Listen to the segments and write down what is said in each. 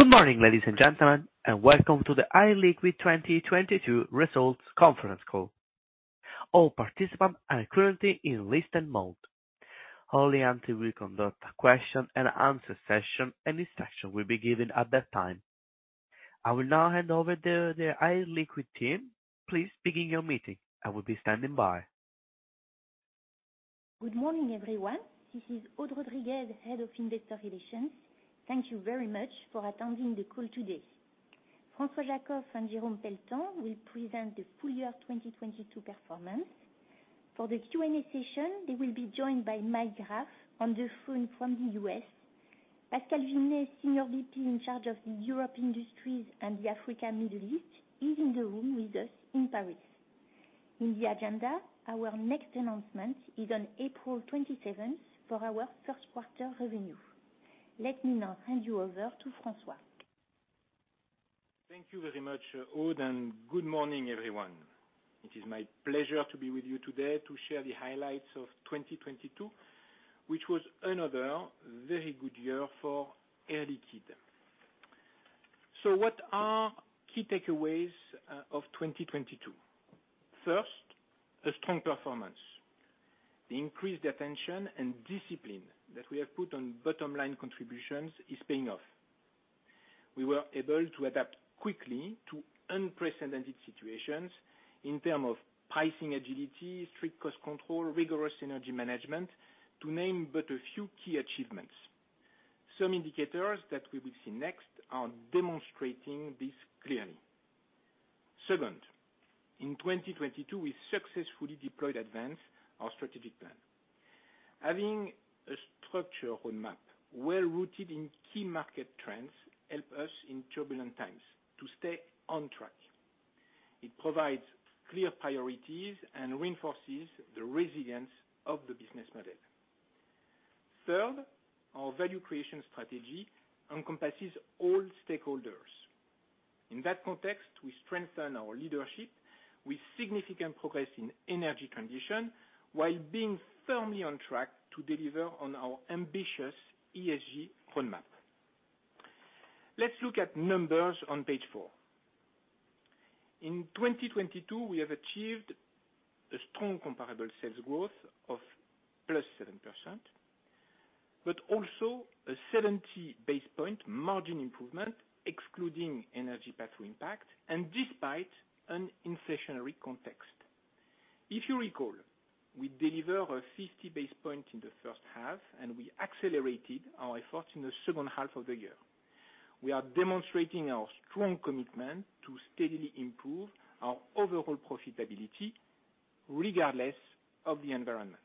Good morning, ladies and gentlemen. Welcome to the Air Liquide 2022 Results Conference Call. All participants are currently in listen mode. Only until we conduct a question and answer session, any session will be given at that time. I will now hand over the Air Liquide team. Please begin your meeting. I will be standing by. Good morning, everyone. This is Aude Rodriguez, Head of Investor Relations. Thank you very much for attending the call today. François Jackow and Jérôme Pelletan will present the full year 2022 performance. For the Q&A session, they will be joined by Mike Graff on the phone from the U.S. Pascal Vinet, Senior VP in charge of the Europe Industries and the Africa Middle East, is in the room with us in Paris. In the agenda, our next announcement is on April 27th for our 1st quarter revenue. Let me now hand you over to François. Thank you very much, Aude, and good morning, everyone. It is my pleasure to be with you today to share the highlights of 2022, which was another very good year for Air Liquide. What are key takeaways of 2022? First, a strong performance. The increased attention and discipline that we have put on bottom line contributions is paying off. We were able to adapt quickly to unprecedented situations in term of pricing agility, strict cost control, rigorous energy management, to name but a few key achievements. Some indicators that we will see next are demonstrating this clearly. Second, in 2022, we successfully deployed ADVANCE our strategic plan. Having a structure roadmap well-rooted in key market trends help us in turbulent times to stay on track. It provides clear priorities and reinforces the resilience of the business model. Third, our value creation strategy encompasses all stakeholders. In that context, we strengthen our leadership with significant progress in energy transition while being firmly on track to deliver on our ambitious ESG roadmap. Let's look at numbers on page 4. In 2022, we have achieved a strong comparable sales growth of +7%. Also a 70 basis point margin improvement excluding energy pathway impact and despite an inflationary context. If you recall, we deliver a 50 basis point in the first half. We accelerated our effort in the second half of the year. We are demonstrating our strong commitment to steadily improve our overall profitability regardless of the environment.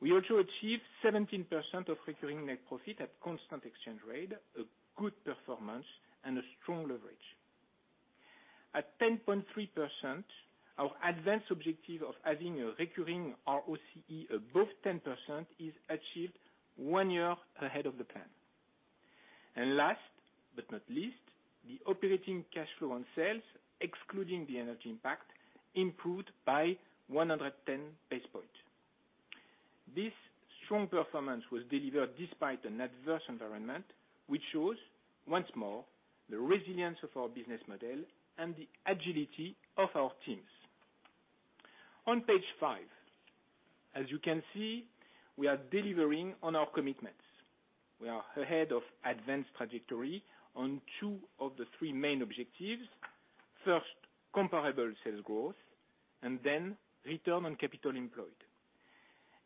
We also achieved 17% of recurring net profit at constant exchange rate, a good performance and a strong leverage. At 10.3%, our ADVANCE objective of having a recurring ROCE above 10% is achieved 1 year ahead of the plan. Last but not least, the operating cash flow on sales, excluding the energy impact, improved by 110 basis points. This strong performance was delivered despite an adverse environment, which shows once more the resilience of our business model and the agility of our teams. On page five, as you can see, we are delivering on our commitments. We are ahead of ADVANCE trajectory on two of the three main objectives. First, comparable sales growth and then return on capital employed.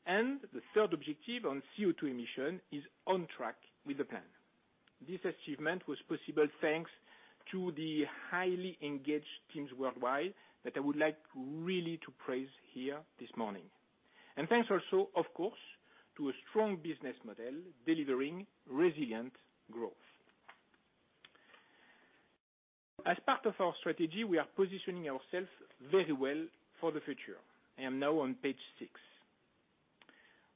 The third objective on CO2 emission is on track with the plan. This achievement was possible thanks to the highly engaged teams worldwide that I would like really to praise here this morning. Thanks also, of course, to a strong business model delivering resilient growth. As part of our strategy, we are positioning ourselves very well for the future. I am now on page 6.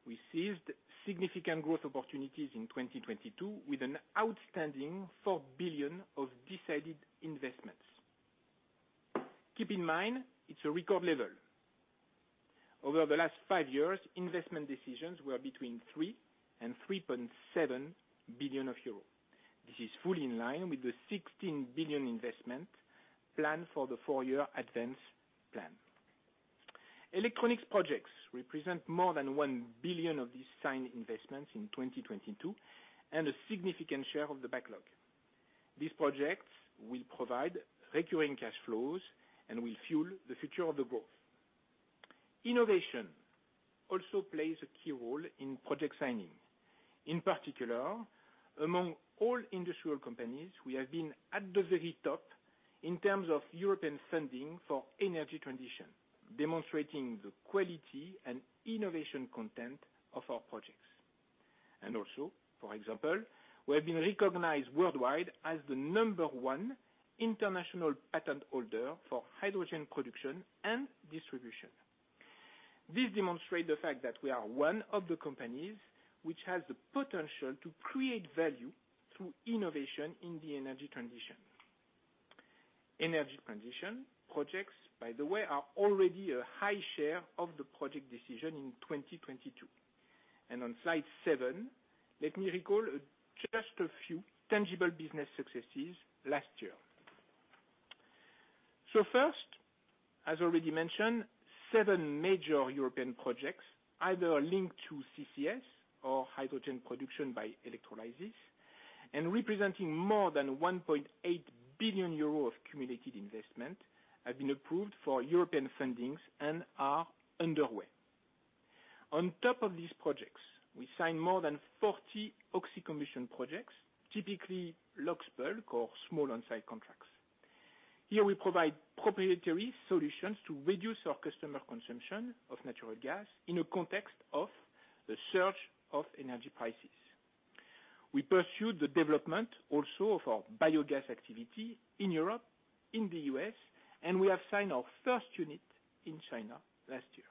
We seized significant growth opportunities in 2022 with an outstanding 4 billion of decided investments. Keep in mind, it's a record level. Over the last 5 years, investment decisions were between 3 billion and 3.7 billion euro. This is fully in line with the 16 billion investment plan for the 4-year ADVANCE plan. Electronics projects represent more than 1 billion of these signed investments in 2022 and a significant share of the backlog. These projects will provide recurring cash flows and will fuel the future of the growth. Innovation also plays a key role in project signing. In particular, among all industrial companies, we have been at the very top in terms of European funding for energy transition, demonstrating the quality and innovation content of our projects. Also, for example, we have been recognized worldwide as the number 1 international patent holder for hydrogen production and distribution. This demonstrate the fact that we are one of the companies which has the potential to create value through innovation in the energy transition. Energy transition projects, by the way, are already a high share of the project decision in 2022. On slide 7, let me recall just a few tangible business successes last year. First, as already mentioned, 7 major European projects, either linked to CCS or hydrogen production by electrolysis, and representing more than 1.8 billion euros of cumulative investment, have been approved for European fundings and are underway. On top of these projects, we signed more than 40 oxy-combustion projects, typically liquids bulk or small on-site contracts. Here we provide proprietary solutions to reduce our customer consumption of natural gas in a context of the surge of energy prices. We pursued the development also of our biogas activity in Europe, in the U.S., and we have signed our first unit in China last year.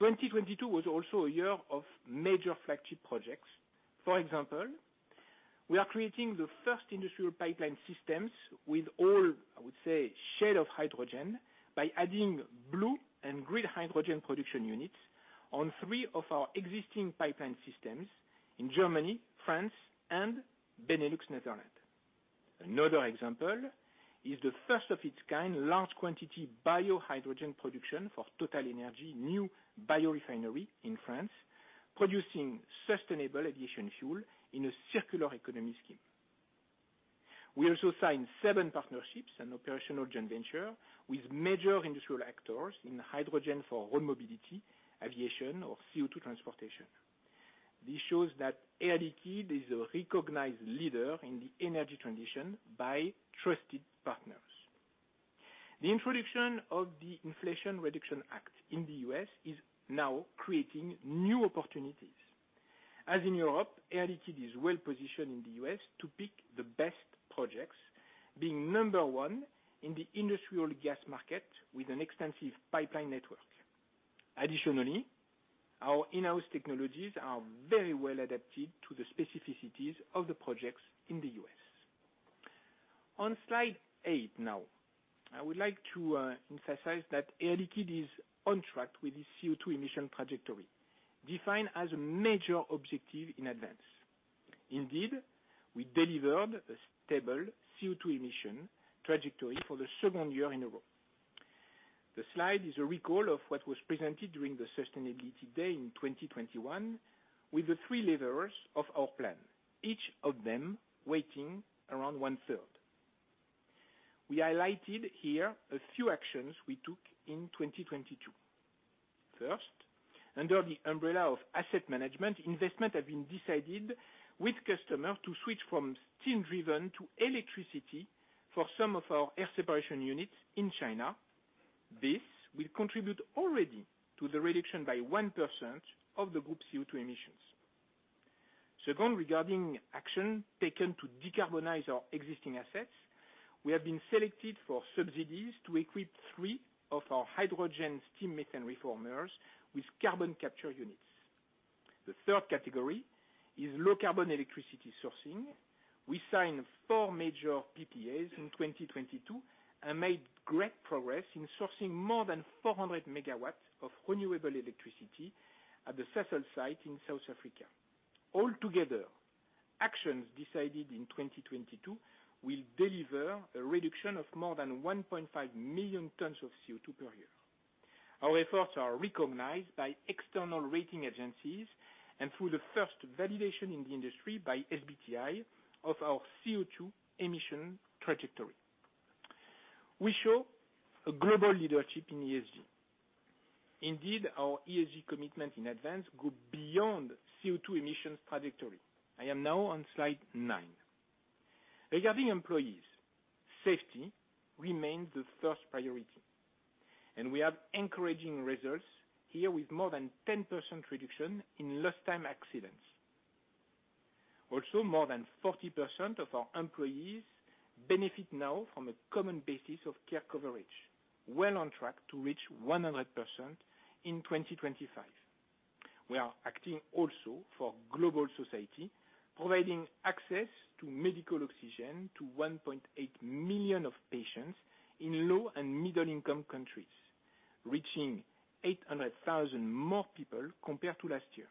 2022 was also a year of major flagship projects. For example, we are creating the first industrial pipeline systems with all, I would say, shade of hydrogen by adding blue and green hydrogen production units on three of our existing pipeline systems in Germany, France, and Benelux, Netherlands. Another example is the first of its kind large quantity biohydrogen production for TotalEnergies new biorefinery in France, producing sustainable aviation fuel in a circular economy scheme. We also signed seven partnerships and operational joint venture with major industrial actors in hydrogen for road mobility, aviation, or CO2 transportation. This shows that Air Liquide is a recognized leader in the energy transition by trusted partners. The introduction of the Inflation Reduction Act in the U.S. is now creating new opportunities. As in Europe, Air Liquide is well-positioned in the U.S. to pick the best projects, being number 1 in the industrial gas market with an extensive pipeline network. Our in-house technologies are very well adapted to the specificities of the projects in the U.S. On slide 8 now. I would like to emphasize that Air Liquide is on track with its CO2 emission trajectory, defined as a major objective in ADVANCE. We delivered a stable CO2 emission trajectory for the second year in a row. The slide is a recall of what was presented during the sustainability day in 2021 with the 3 levers of our plan, each of them weighting around one-third. We highlighted here a few actions we took in 2022. First, under the umbrella of asset management, investment have been decided with customer to switch from steam driven to electricity for some of our air separation units in China. This will contribute already to the reduction by 1% of the group CO2 emissions. Second, regarding action taken to decarbonize our existing assets, we have been selected for subsidies to equip three of our hydrogen steam methane reformers with carbon capture units. The third category is low carbon electricity sourcing. We signed four major PPAs in 2022, and made great progress in sourcing more than 400 MW of renewable electricity at the Sasol site in South Africa. Altogether, actions decided in 2022 will deliver a reduction of more than 1.5 million tons of CO2 per year. Our efforts are recognized by external rating agencies and through the first validation in the industry by SBTI of our CO2 emission trajectory. We show a global leadership in ESG. Our ESG commitment in ADVANCE go beyond CO2 emissions trajectory. I am now on slide nine. Regarding employees, safety remains the first priority, and we have encouraging results here with more than 10% reduction in lost time accidents. More than 40% of our employees benefit now from a common basis of care coverage, well on track to reach 100% in 2025. We are acting also for global society, providing access to medical oxygen to 1.8 million of patients in low and middle-income countries, reaching 800,000 more people compared to last year.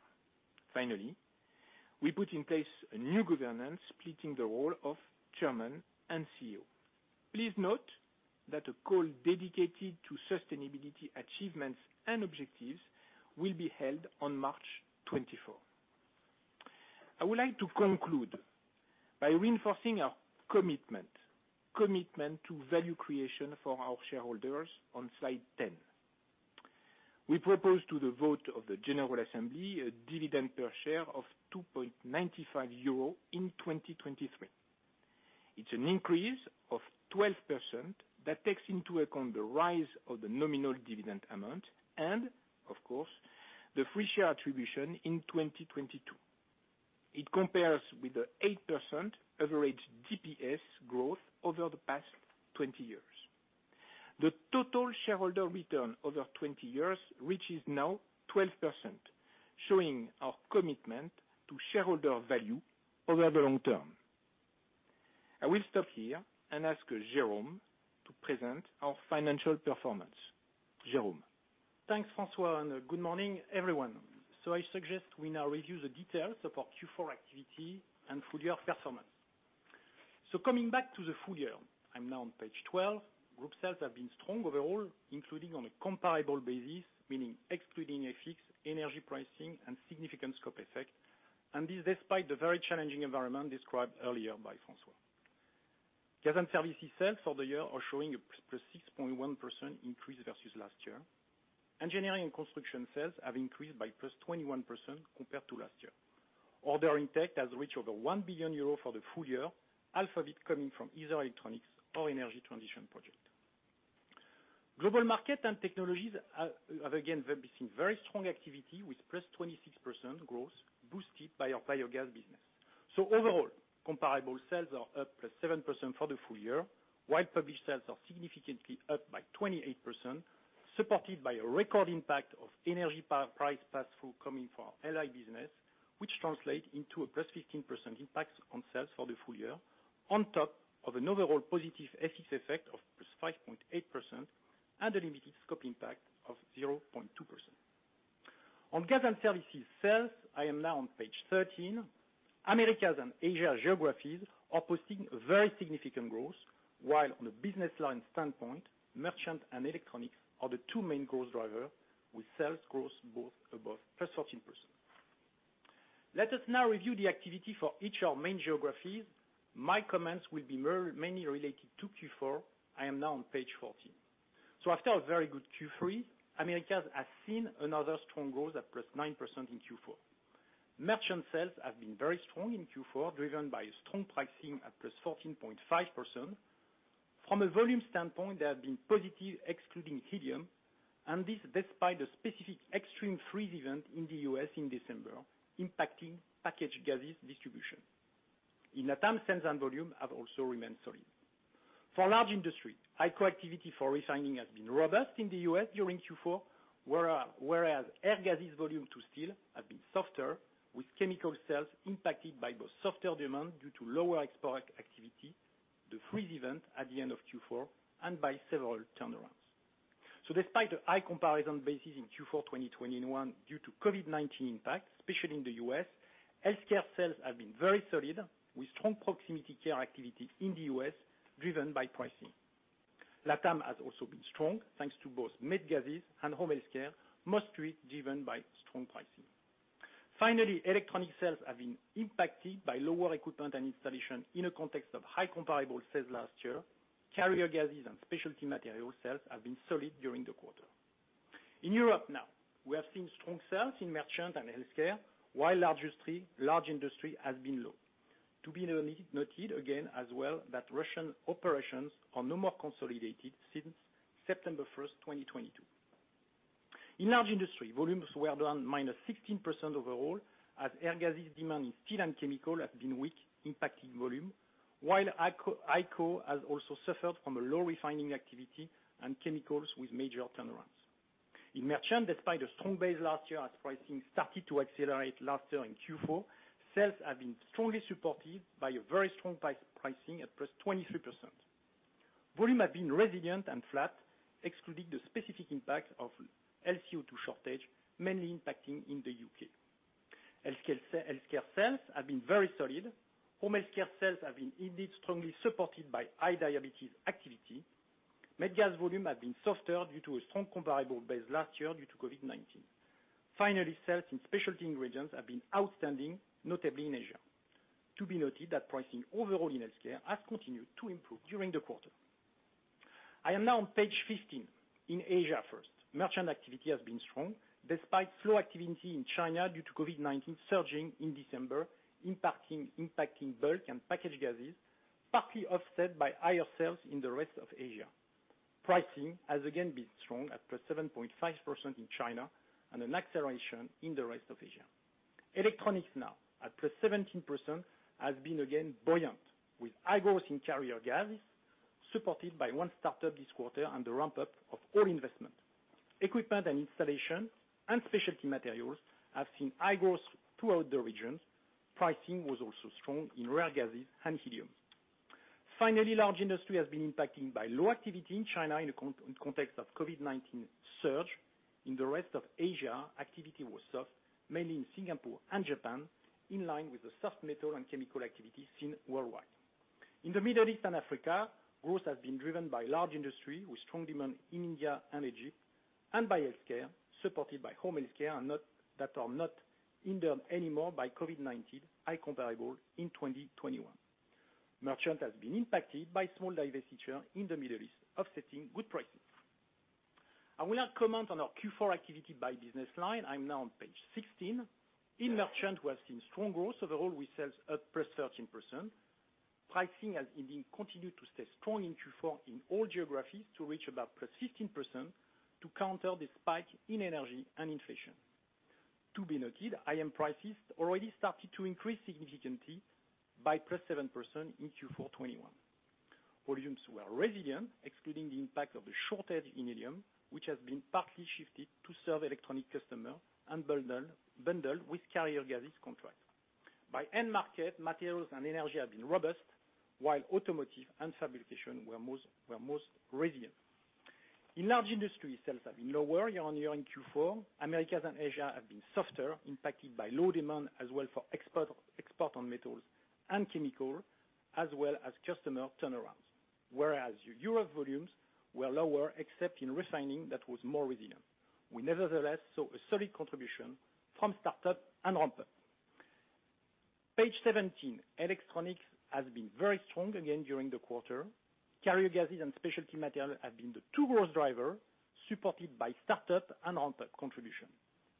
We put in place a new governance splitting the role of chairman and CEO. Please note that a call dedicated to sustainability achievements and objectives will be held on March 24th. I would like to conclude by reinforcing our commitment to value creation for our shareholders on slide 10. We propose to the vote of the General Assembly a dividend per share of 2.95 euro in 2023. It's an increase of 12% that takes into account the rise of the nominal dividend amount and, of course, the free share attribution in 2022. It compares with the 8% average DPS growth over the past 20 years. The total shareholder return over 20 years reaches now 12%, showing our commitment to shareholder value over the long term. I will stop here and ask Jérôme to present our financial performance. Jérôme? Thanks, François, and good morning, everyone. I suggest we now review the details of our Q4 activity and full year performance. Coming back to the full year, I'm now on page 12. Group sales have been strong overall, including on a comparable basis, meaning excluding FX, energy pricing, and significant scope effect. This despite the very challenging environment described earlier by François. Gas and services sales for the year are showing a +6.1% increase versus last year. Engineering and construction sales have increased by +21% compared to last year. Order intake has reached over 1 billion euros for the full year, half of it coming from either electronics or energy transition project. Global market and technologies have again been seeing very strong activity with +26% growth boosted by our biogas business. Overall, comparable sales are up +7% for the full year, while published sales are significantly up by 28%, supported by a record impact of energy price pass-through coming from our LI business, which translate into a +15% impact on sales for the full year, on top of an overall positive FX effect of +5.8% and a limited scope impact of 0.2%. On gas and services sales, I am now on page 13. Americas and Asia geographies are posting very significant growth, while on a business line standpoint, merchant and electronics are the two main growth driver with sales growth both above +13%. Let us now review the activity for each our main geographies. My comments will be mainly related to Q4. I am now on page 14. After a very good Q3, Americas has seen another strong growth at +9% in Q4. Merchant sales have been very strong in Q4, driven by a strong pricing at +14.5%. From a volume standpoint, they have been positive excluding helium, and this despite a specific extreme freeze event in the U.S. in December impacting packaged gases distribution. In LATAM, sales and volume have also remained solid. For Large Industry, high co-activity for refining has been robust in the U.S. during Q4, whereas air gases volume to steel have been softer with chemical sales impacted by both softer demand due to lower export activity, the freeze event at the end of Q4, and by several turnarounds. Despite the high comparison basis in Q4 2021 due to COVID-19 impact, especially in the U.S., healthcare sales have been very solid with strong proximity care activity in the U.S. driven by pricing. LATAM has also been strong, thanks to both med gases and home healthcare, mostly driven by strong pricing. Finally, electronic sales have been impacted by lower equipment and installation in a context of high comparable sales last year. Carrier gases and specialty materials sales have been solid during the quarter. In Europe now, we have seen strong sales in merchant and healthcare, while large industry has been low. To be noted again as well that Russian operations are no more consolidated since September 1, 2022. In large industry, volumes were down -16% overall as air gases demand in steel and chemical has been weak, impacting volume. While ICO has also suffered from a low refining activity and chemicals with major turnarounds. In merchant, despite a strong base last year as pricing started to accelerate last year in Q4, sales have been strongly supported by a very strong pricing at +23%. Volume have been resilient and flat, excluding the specific impact of LCO2 shortage, mainly impacting in the UK. Healthcare sales have been very solid. Home healthcare sales have been indeed strongly supported by high diabetes activity. Med gas volume has been softer due to a strong comparable base last year due to COVID-19. Finally, sales in specialty ingredients have been outstanding, notably in Asia. To be noted that pricing overall in healthcare has continued to improve during the quarter. I am now on page 15. In Asia first, merchant activity has been strong despite slow activity in China due to COVID-19 surging in December, impacting bulk and packaged gases, partly offset by higher sales in the rest of Asia. Pricing has again been strong at +7.5% in China and an acceleration in the rest of Asia. Electronics now, at +17%, has been again buoyant, with high growth in carrier gas, supported by 1 startup this quarter and the ramp-up of all investment. Equipment and installation and specialty materials have seen high growth throughout the region. Pricing was also strong in rare gases and helium. Finally, large industry has been impacting by low activity in China in context of COVID-19 surge. In the rest of Asia, activity was soft, mainly in Singapore and Japan, in line with the soft metal and chemical activity seen worldwide. In the Middle East and Africa, growth has been driven by large industry with strong demand in India and Egypt, and by healthcare, supported by home healthcare and not, that are not hindered anymore by COVID-19 eye comparable in 2021. Merchant has been impacted by small divestiture in the Middle East, offsetting good prices. I will now comment on our Q4 activity by business line. I'm now on page 16. In Merchant, we have seen strong growth. The whole resales up +13%. Pricing has indeed continued to stay strong in Q4 in all geographies to reach about +15% to counter the spike in energy and inflation. To be noted, IM prices already started to increase significantly by +7% in Q4 2021. Volumes were resilient, excluding the impact of the shortage in helium, which has been partly shifted to serve electronic customer and bundled with carrier gases contract. By end market, materials and energy have been robust, while automotive and fabrication were most resilient. In large industry, sales have been lower year-on-year in Q4. Americas and Asia have been softer, impacted by low demand as well for export on metals and chemical, as well as customer turnarounds. Whereas Europe volumes were lower except in refining that was more resilient. We nevertheless saw a solid contribution from start-up and ramp-up. Page 17. Electronics has been very strong again during the quarter. Carrier gases and specialty materials have been the two growth driver supported by start-up and ramp-up contribution,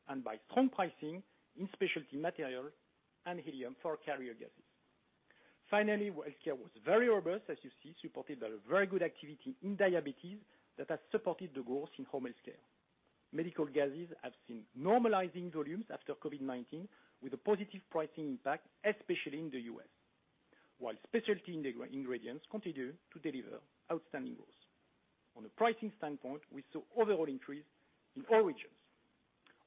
and by strong pricing in specialty materials and helium for carrier gases. Healthcare was very robust, as you see, supported by a very good activity in diabetes that has supported the growth in home healthcare. Medical gases have seen normalizing volumes after COVID-19 with a positive pricing impact, especially in the U.S., while specialty ingredients continue to deliver outstanding growth. On a pricing standpoint, we saw overall increase in all regions.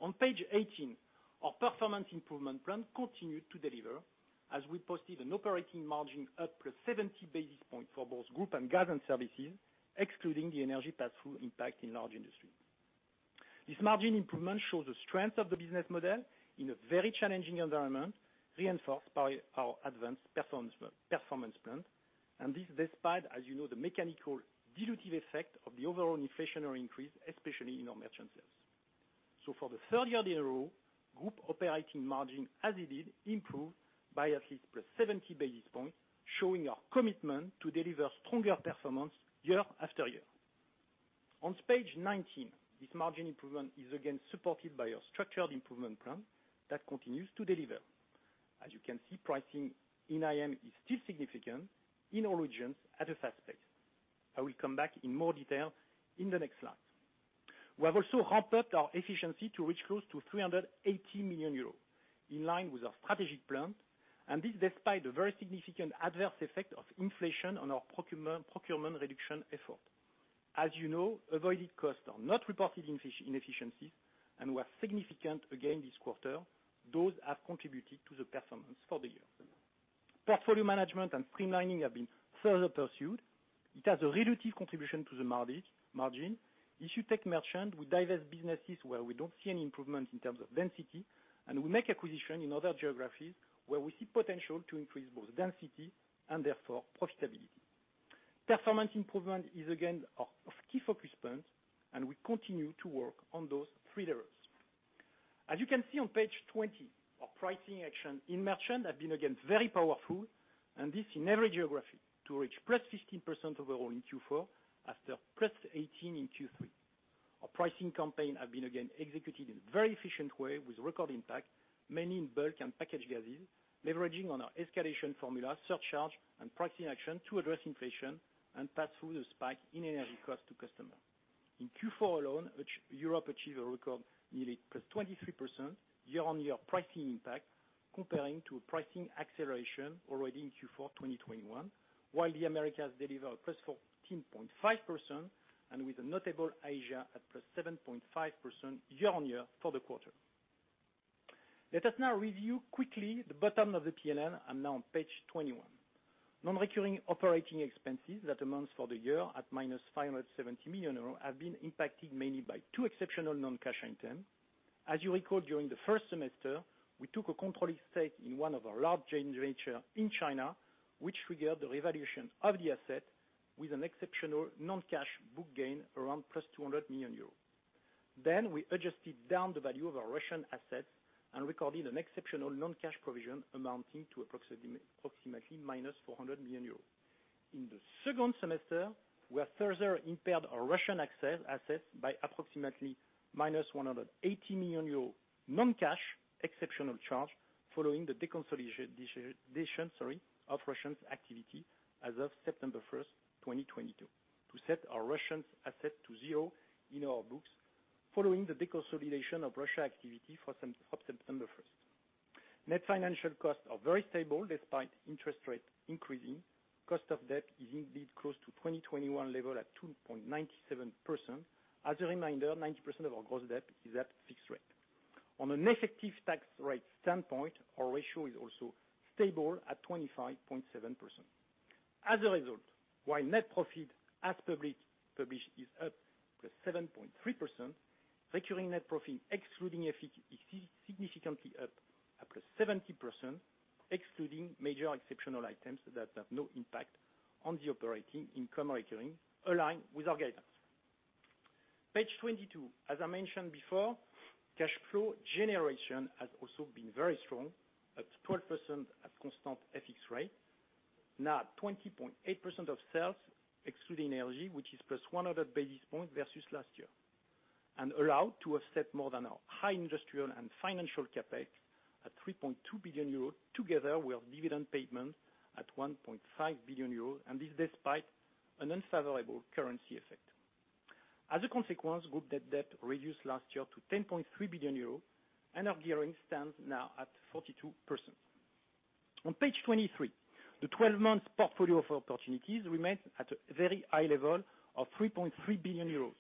On page 18, our performance improvement plan continued to deliver as we posted an operating margin up +70 basis points for both Group and Gas and Services, excluding the energy passthrough impact in large industry. This margin improvement shows the strength of the business model in a very challenging environment, reinforced by our ADVANCE performance plan, and this despite, as you know, the mechanical dilutive effect of the overall inflationary increase, especially in our merchant sales. For the third year in a row, group operating margin, as it did, improved by at least +70 basis points, showing our commitment to deliver stronger performance year after year. On page 19, this margin improvement is again supported by our structured improvement plan that continues to deliver. As you can see, pricing in IM is still significant in all regions at a fast pace. I will come back in more detail in the next slide. We have also ramped up our efficiency to reach close to 380 million euros, in line with our strategic plan, and this despite a very significant adverse effect of inflation on our procurement reduction effort. As you know, avoided costs are not reported in inefficiencies and were significant again this quarter. Those have contributed to the performance for the year. Portfolio management and streamlining have been further pursued. It has a relative contribution to the margin. You take merchant, we divest businesses where we don't see any improvement in terms of density. We make acquisition in other geographies where we see potential to increase both density and therefore profitability. Performance improvement is again a key focus point. We continue to work on those three levers. As you can see on page 20, our pricing action in merchant have been again very powerful. This in every geography, to reach +15% overall in Q4 after +18% in Q3. Our pricing campaign have been again executed in a very efficient way with record impact, mainly in bulk and packaged gases, leveraging on our escalation formula, surcharge and pricing action to address inflation and pass through the spike in energy costs to customer. In Q4 alone, which Europe achieved a record nearly +23% year-on-year pricing impact, comparing to a pricing acceleration already in Q4 2021, while the Americas delivered +14.5% and with a notable Asia at +7.5% year-on-year for the quarter. Let us now review quickly the bottom of the PNL and now on page 21. Non-recurring operating expenses that amounts for the year at -570 million euros have been impacted mainly by two exceptional non-cash items. As you recall during the first semester, we took a controlling stake in one of our large joint venture in China, which triggered the revaluation of the asset with an exceptional non-cash book gain around +200 million euros. We adjusted down the value of our Russian assets and recorded an exceptional non-cash provision amounting to approximately minus 400 million euros. In the second semester, we have further impaired our Russian assets by approximately minus 180 million euro non-cash exceptional charge following the deconsolidation of Russian activity as of September 1, 2022, to set our Russian asset to zero in our books following the deconsolidation of Russia activity of September 1. Net financial costs are very stable despite interest rate increasing. Cost of debt is indeed close to 2021 level at 2.97%. As a reminder, 90% of our gross debt is at fixed rate. On an effective tax rate standpoint, our ratio is also stable at 25.7%. While net profit as published is up +7.3%, recurring net profit excluding FX is significantly up to 70%, excluding major exceptional items that have no impact on the operating income recurring, aligned with our guidance. Page 22. I mentioned before, cash flow generation has also been very strong at 12% at constant FX rate. Now at 20.8% of sales excluding energy, which is +100 basis points versus last year, allowed to offset more than our high industrial and financial CapEx at 3.2 billion euros together with dividend payment at 1.5 billion euros, this despite an unfavorable currency effect. A consequence, group debt reduced last year to 10.3 billion euros, our gearing stands now at 42%. On page 23, the 12-month portfolio of opportunities remains at a very high level of 3.3 billion euros.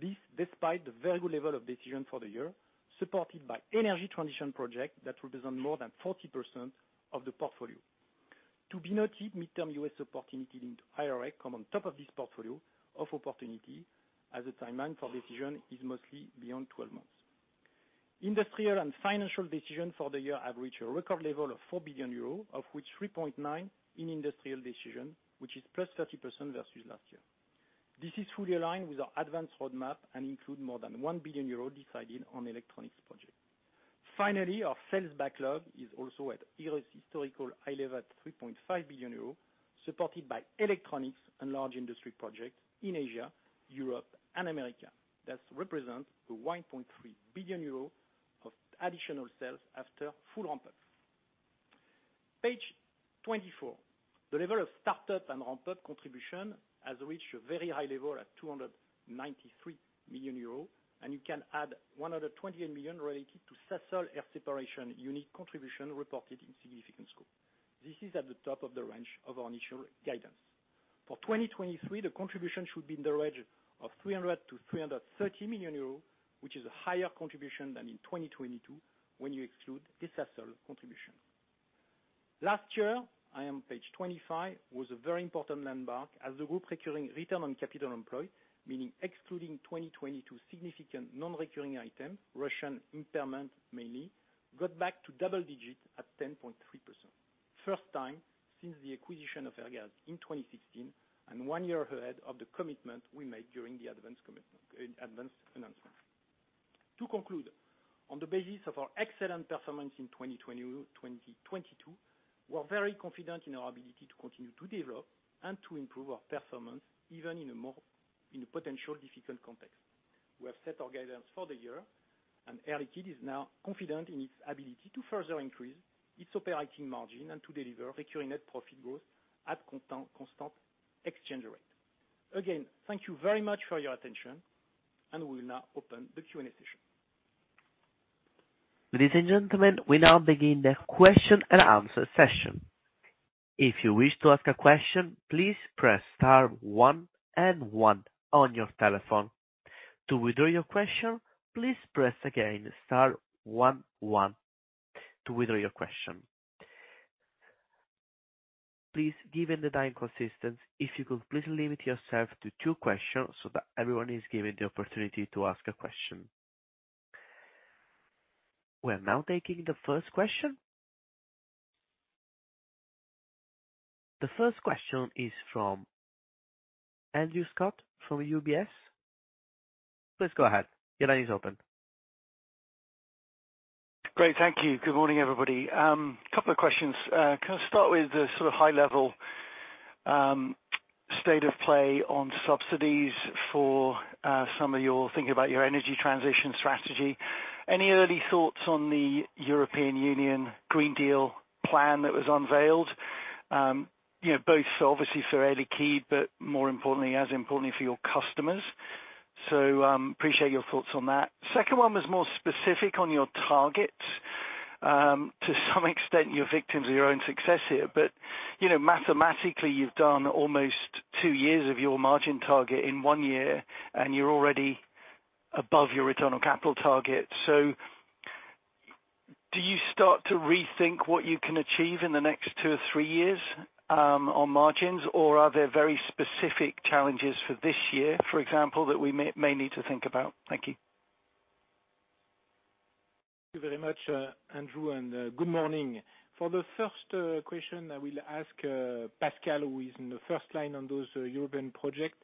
This despite the very good level of decision for the year, supported by energy transition project that represent more than 40% of the portfolio. To be noted, midterm U.S. opportunity linked to IRA come on top of this portfolio of opportunity as a timeline for decision is mostly beyond 12 months. Industrial and financial decisions for the year have reached a record level of 4 billion euro, of which 3.9 billion in industrial decision, which is +30% versus last year. This is fully aligned with our ADVANCE roadmap and include more than 1 billion euros decided on electronics project. Our sales backlog is also at historical high level at 3.5 billion euro, supported by electronics and large industry projects in Asia, Europe and America. That represent a 1.3 billion euro of additional sales after full ramp-up. Page 24. The level of startup and ramp-up contribution has reached a very high level at 293 million euros, and you can add 120 million related to Sasol air separation unit contribution reported in significant scope. This is at the top of the range of our initial guidance. For 2023, the contribution should be in the range of 300 million-330 million euros, which is a higher contribution than in 2022 when you exclude the Sasol contribution. Last year, I am page 25, was a very important landmark as the group recurring return on capital employed, meaning excluding 2022 significant non-recurring item, Russian impairment mainly got back to double digits at 10.3%. First time since the acquisition of Airgas in 2016 and one year ahead of the commitment we made during the ADVANCE announcement. To conclude, on the basis of our excellent performance in 2020, 2022, we are very confident in our ability to continue to develop and to improve our performance even in a more, in a potential difficult context. We have set our guidance for the year, and Air Liquide is now confident in its ability to further increase its operating margin and to deliver recurring net profit growth at constant exchange rate. Again, thank you very much for your attention, and we will now open the Q&A session. Ladies and gentlemen, we now begin the question and answer session. If you wish to ask a question, please press star one and one on your telephone. To withdraw your question, please press again star one one to withdraw your question. Please, given the time constraints, if you could please limit yourself to two questions so that everyone is given the opportunity to ask a question. We are now taking the first question. The first question is from Andrew Stott from UBS. Please go ahead. Your line is open. Great. Thank you. Good morning, everybody. Couple of questions. Can I start with the sort of high-level state of play on subsidies for some of your thinking about your energy transition strategy? Any early thoughts on the European Union Green Deal plan that was unveiled? Both obviously for Air Liquide, but more importantly, as importantly for your customers. Appreciate your thoughts on that. Second one was more specific on your target. To some extent, you're victims of your own success here. You know, mathematically, you've done almost two years of your margin target in one year, and you're already above your return on capital target. Do you start to rethink what you can achieve in the next two or three years on margins? Are there very specific challenges for this year, for example, that we may need to think about? Thank you. Thank you very much, Andrew, and good morning. For the first question, I will ask Pascal, who is in the first line on those European projects,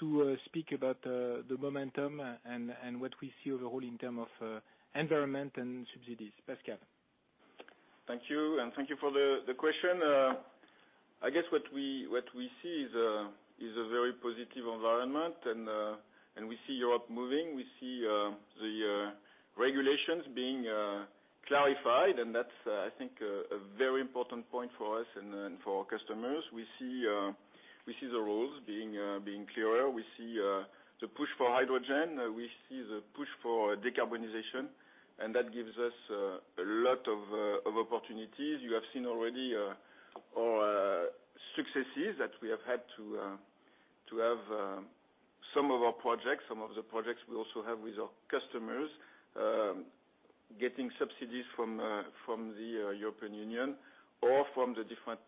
to speak about the momentum and what we see overall in term of environment and subsidies. Pascal. Thank you for the question. I guess what we see is a very positive environment. We see Europe moving. We see the regulations being clarified, and that's, I think, a very important point for us and then for our customers. We see the rules being clearer. We see the push for hydrogen. We see the push for decarbonization. That gives us a lot of opportunities. You have seen already our successes that we have had to have some of our projects, some of the projects we also have with our customers, getting subsidies from the European Union or from the different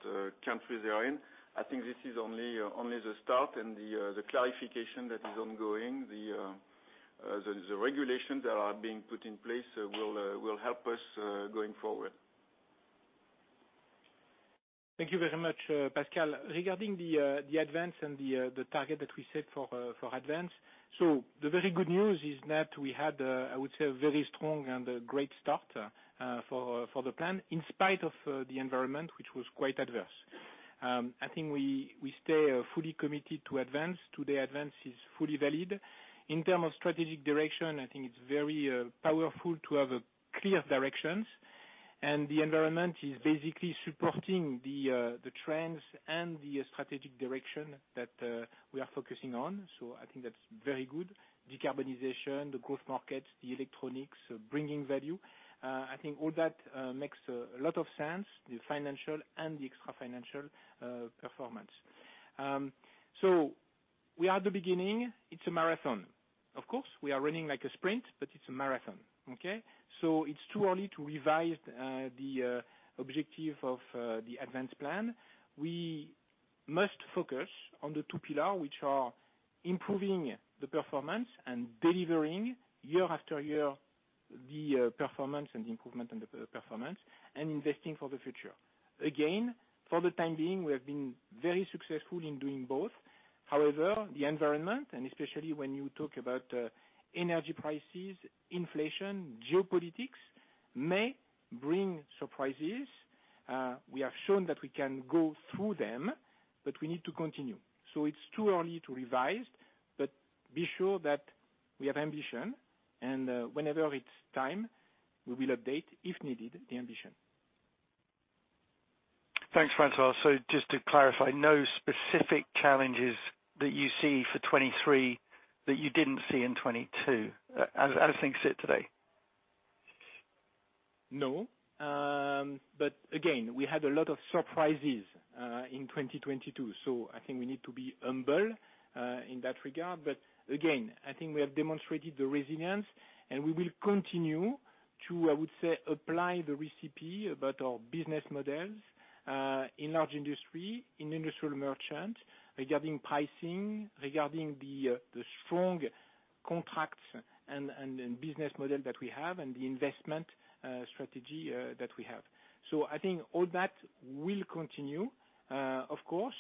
countries they are in. I think this is only the start, and the clarification that is ongoing, the regulations that are being put in place will help us going forward. Thank you very much, Pascal. Regarding the ADVANCE and the target that we set for ADVANCE. The very good news is that we had, I would say, a very strong and a great start, for the plan, in spite of, the environment, which was quite adverse. I think we stay, fully committed to ADVANCE. Today ADVANCE is fully valid. In term of strategic direction, I think it's very, powerful to have a clear directions. The environment is basically supporting the trends and the strategic direction that we are focusing on. I think that's very good. Decarbonization, the growth markets, the electronics, bringing value. I think all that makes a lot of sense, the financial and the extra financial performance. We are the beginning. It's a marathon. Of course, we are running like a sprint, but it's a marathon, okay? It's too early to revise the objective of the ADVANCE plan. We must focus on the two pillar, which are improving the performance and delivering year after year the performance and the improvement in the performance and investing for the future. Again, for the time being, we have been very successful in doing both. However, the environment, and especially when you talk about energy prices, inflation, geopolitics, may bring surprises. We have shown that we can go through them, but we need to continue. It's too early to revise, but be sure that we have ambition. Whenever it's time, we will update, if needed, the ambition. Thanks, François. Just to clarify, no specific challenges that you see for 2023 that you didn't see in 2022, as things sit today? No. Again, we had a lot of surprises in 2022, so I think we need to be humble in that regard. Again, I think we have demonstrated the resilience, and we will continue to, I would say, apply the recipe about our business models in large industry, in Industrial Merchant, regarding pricing, regarding the strong contracts and business model that we have and the investment strategy that we have. I think all that will continue, of course.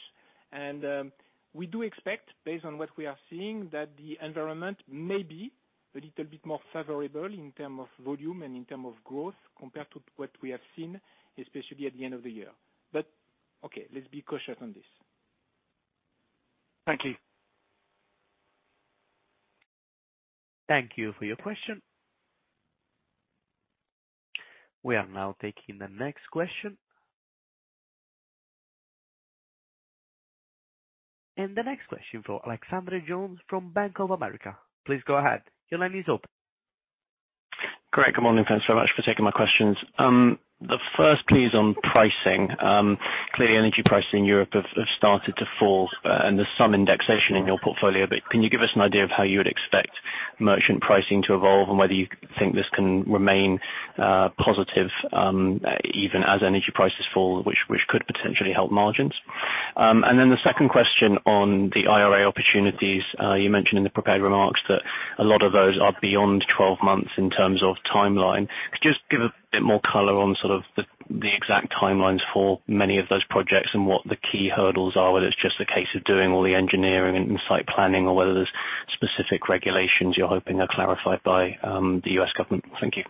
We do expect, based on what we are seeing, that the environment may be a little bit more favorable in term of volume and in term of growth compared to what we have seen, especially at the end of the year. Okay, let's be cautious on this. Thank you. Thank you for your question. We are now taking the next question. The next question for Alexander Jones from Bank of America. Please go ahead. Your line is open. Great. Good morning. Thanks very much for taking my questions. The first please on pricing. Clearly energy pricing in Europe have started to fall, and there's some indexation in your portfolio, but can you give us an idea of how you would expect merchant pricing to evolve and whether you think this can remain positive even as energy prices fall, which could potentially help margins? The second question on the IRA opportunities. You mentioned in the prepared remarks that a lot of those are beyond 12 months in terms of timeline. Could just give a bit more color on sort of the exact timelines for many of those projects and what the key hurdles are, whether it's just a case of doing all the engineering and site planning or whether there's specific regulations you're hoping are clarified by the U.S. government. Thank you.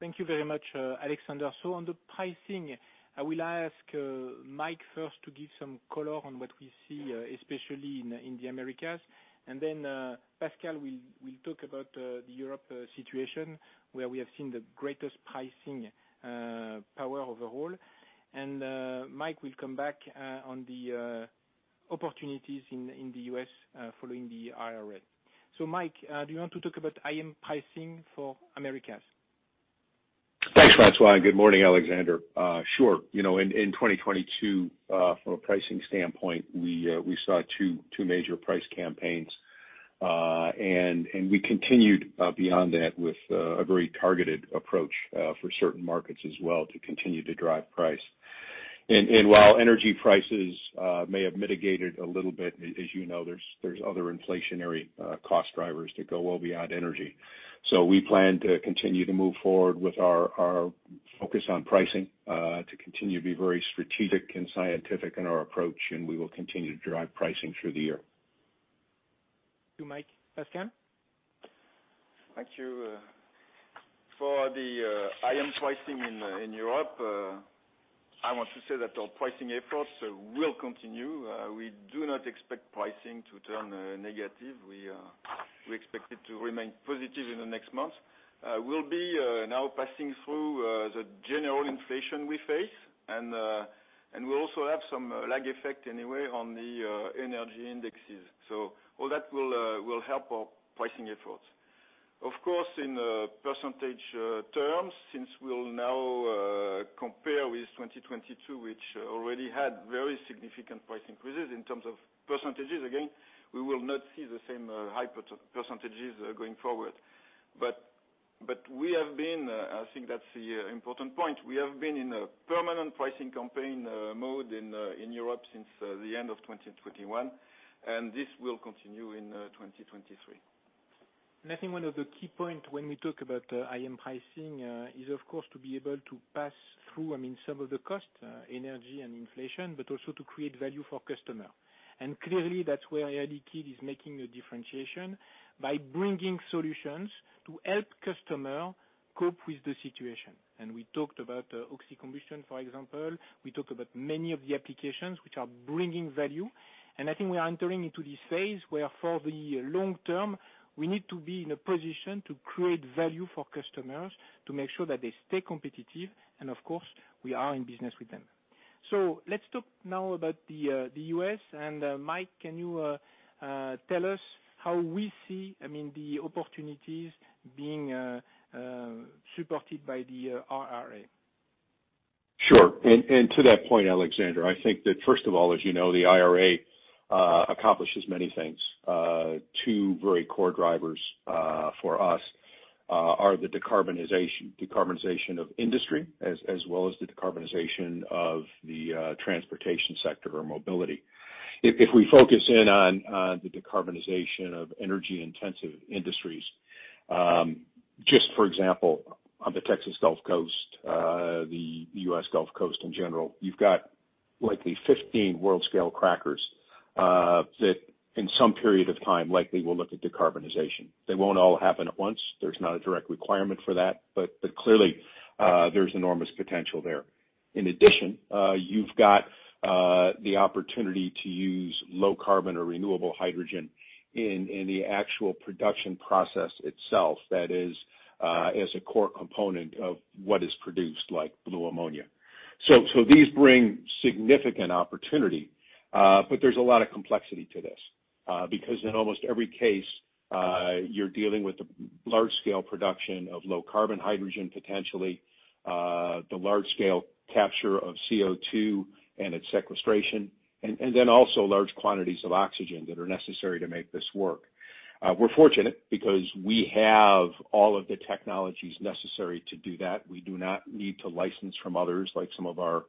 Thank you very much, Alexander. On the pricing, I will ask Mike first to give some color on what we see, especially in the Americas. Then Pascal will talk about the Europe situation, where we have seen the greatest pricing power overall. Mike will come back on the opportunities in the U.S. following the IRA. Mike, do you want to talk about I.M. pricing for Americas? Thanks, François, and good morning, Alexander. Sure. You know, in 2022, from a pricing standpoint, we saw two major price campaigns. We continued beyond that with a very targeted approach for certain markets as well to continue to drive price. While energy prices may have mitigated a little bit, as you know, there's other inflationary cost drivers that go well beyond energy. We plan to continue to move forward with our focus on pricing to continue to be very strategic and scientific in our approach, and we will continue to drive pricing through the year. To Mike. Pascal? Thank you. For the IM pricing in Europe, I want to say that our pricing efforts will continue. We do not expect pricing to turn negative. We expect it to remain positive in the next months. We'll be now passing through the general inflation we face and we'll also have some lag effect anyway on the energy indexes. All that will help our pricing efforts. Of course, in percentage terms, since we'll now compare with 2022, which already had very significant price increases in terms of %, again, we will not see the same high percentages going forward. We have been, I think that's the important point. We have been in a permanent pricing campaign mode in in Europe since the end of 2021. This will continue in 2023. I think one of the key point when we talk about IM pricing, is of course to be able to pass through, I mean, some of the cost, energy and inflation, but also to create value for customer. Clearly that's where Air Liquide is making a differentiation by bringing solutions to help customer cope with the situation. We talked about oxy-combustion, for example. We talked about many of the applications which are bringing value, and I think we are entering into this phase where for the long term, we need to be in a position to create value for customers to make sure that they stay competitive, and of course, we are in business with them. Let's talk now about the U.S. and Mike, can you tell us how we see, I mean, the opportunities being supported by the IRA? Sure. To that point, Alexandre, I think that first of all, as you know, the IRA accomplishes many things. Two very core drivers for us are the decarbonization of industry as well as the decarbonization of the transportation sector or mobility. If we focus in on the decarbonization of energy intensive industries, just for example, on the Texas Gulf Coast, the U.S. Gulf Coast in general, you've got likely 15 world scale crackers that in some period of time likely will look at decarbonization. They won't all happen at once. There's not a direct requirement for that, but clearly, there's enormous potential there. In addition, you've got the opportunity to use low carbon or renewable hydrogen in the actual production process itself that is, as a core component of what is produced, like blue ammonia. These bring significant opportunity, but there's a lot of complexity to this, because in almost every case, you're dealing with a large scale production of low carbon hydrogen, potentially, the large scale capture of CO2 and its sequestration, and then also large quantities of oxygen that are necessary to make this work. We're fortunate because we have all of the technologies necessary to do that. We do not need to license from others like some of our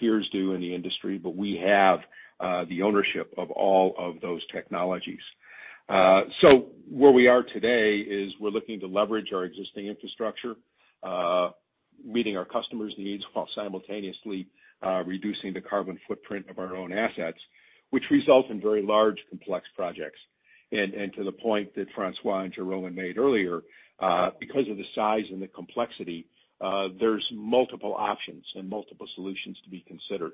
peers do in the industry, but we have the ownership of all of those technologies. So where we are today is we're looking to leverage our existing infrastructure, meeting our customers' needs while simultaneously reducing the carbon footprint of our own assets, which results in very large, complex projects. To the point that François and Jérôme made earlier, because of the size and the complexity, there's multiple options and multiple solutions to be considered,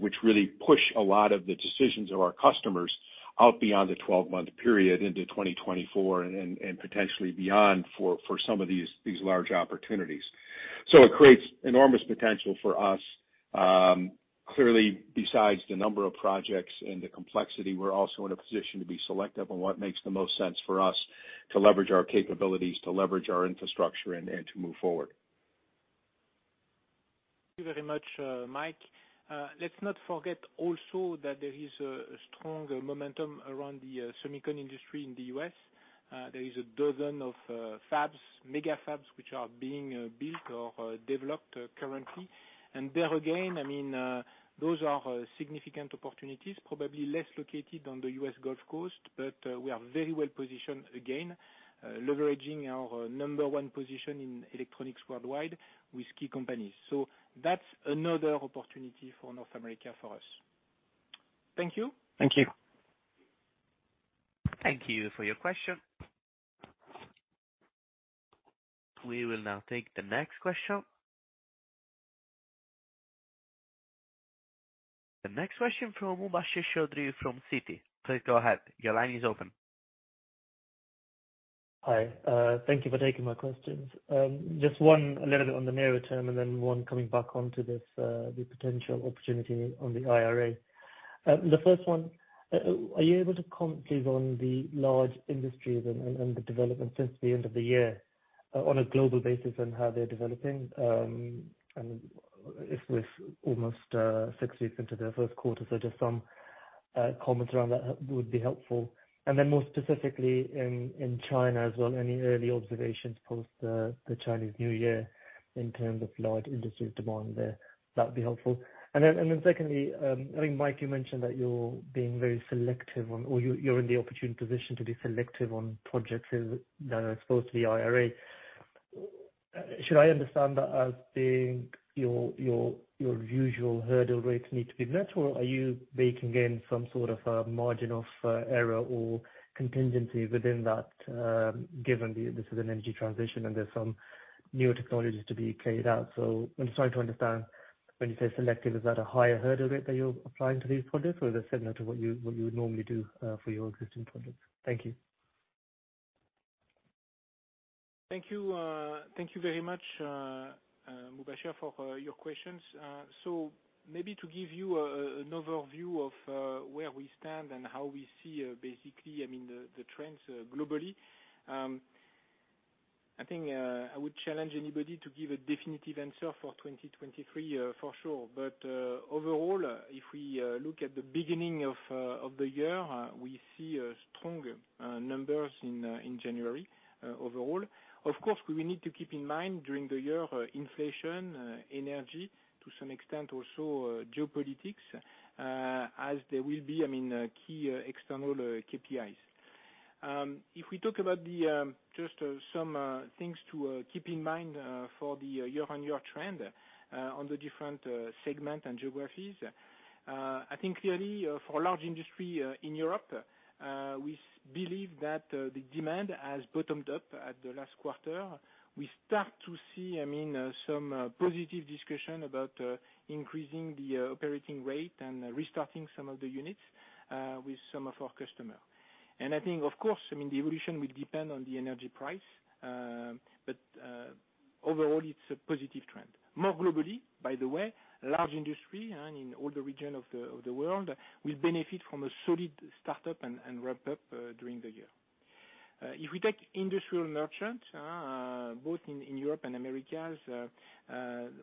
which really push a lot of the decisions of our customers out beyond the 12-month period into 2024 and potentially beyond for some of these large opportunities. It creates enormous potential for us. Clearly, besides the number of projects and the complexity, we're also in a position to be selective on what makes the most sense for us to leverage our capabilities, to leverage our infrastructure and to move forward. Thank you very much, Mike. Let's not forget also that there is a strong momentum around the semicon industry in the U.S. There is a dozen of fabs, mega fabs, which are being built or developed currently. There again, I mean, those are significant opportunities, probably less located on the U.S. Gulf Coast, but we are very well positioned, again, leveraging our number one position in electronics worldwide with key companies. That's another opportunity for North America for us. Thank you. Thank you. Thank you for your question. We will now take the next question. The next question from Mubasher Chaudhry from Citi. Please go ahead. Your line is open. Hi. Thank you for taking my questions. Just one a little bit on the nearer term and then one coming back onto this, the potential opportunity on the IRA. The first one, are you able to comment, please, on the large industries and the development since the end of the year, on a global basis and how they're developing, and if we're almost 6 weeks into their first quarter, so just some comments around that would be helpful. More specifically in China as well, any early observations post the Chinese New Year in terms of large industry demand there. That'd be helpful. Secondly, I think, Mike, you mentioned that you're being very selective on or you're in the opportune position to be selective on projects as they're exposed to the IRA. Should I understand that as being your usual hurdle rates need to be met, or are you baking in some sort of a margin of error or contingency within that, given this is an energy transition and there's some new technologies to be carried out? I'm starting to understand when you say selective, is that a higher hurdle rate that you're applying to these projects, or is it similar to what you, what you would normally do for your existing projects? Thank you. Thank you. Thank you very much, Mubasher, for your questions. Maybe to give you an overview of where we stand and how we see, basically, I mean, the trends globally, I think, I would challenge anybody to give a definitive answer for 2023, for sure. Overall, if we look at the beginning of the year, we see strong numbers in January, overall. Of course, we need to keep in mind during the year inflation, energy, to some extent also geopolitics, as there will be, I mean, key external KPIs. If we talk about the just some things to keep in mind for the year-on-year trend on the different segment and geographies. I think clearly for large industry in Europe, we believe that the demand has bottomed up at the last quarter. We start to see, I mean, some positive discussion about increasing the operating rate and restarting some of the units with some of our customer. I think, of course, I mean, the evolution will depend on the energy price. Overall it's a positive trend. More globally, by the way, large industry and in all the region of the world will benefit from a solid startup and ramp up during the year. If we take Industrial Merchant, both in Europe and Americas,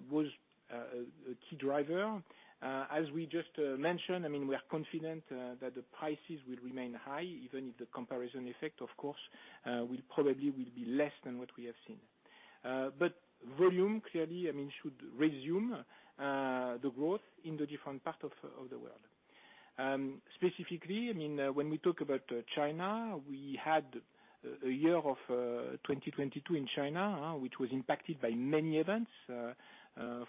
was a key driver. As we just mentioned, I mean, we are confident that the prices will remain high, even if the comparison effect of course, will probably will be less than what we have seen. Volume clearly, I mean, should resume the growth in the different parts of the world. Specifically, I mean, when we talk about China, we had a year of 2022 in China, which was impacted by many events,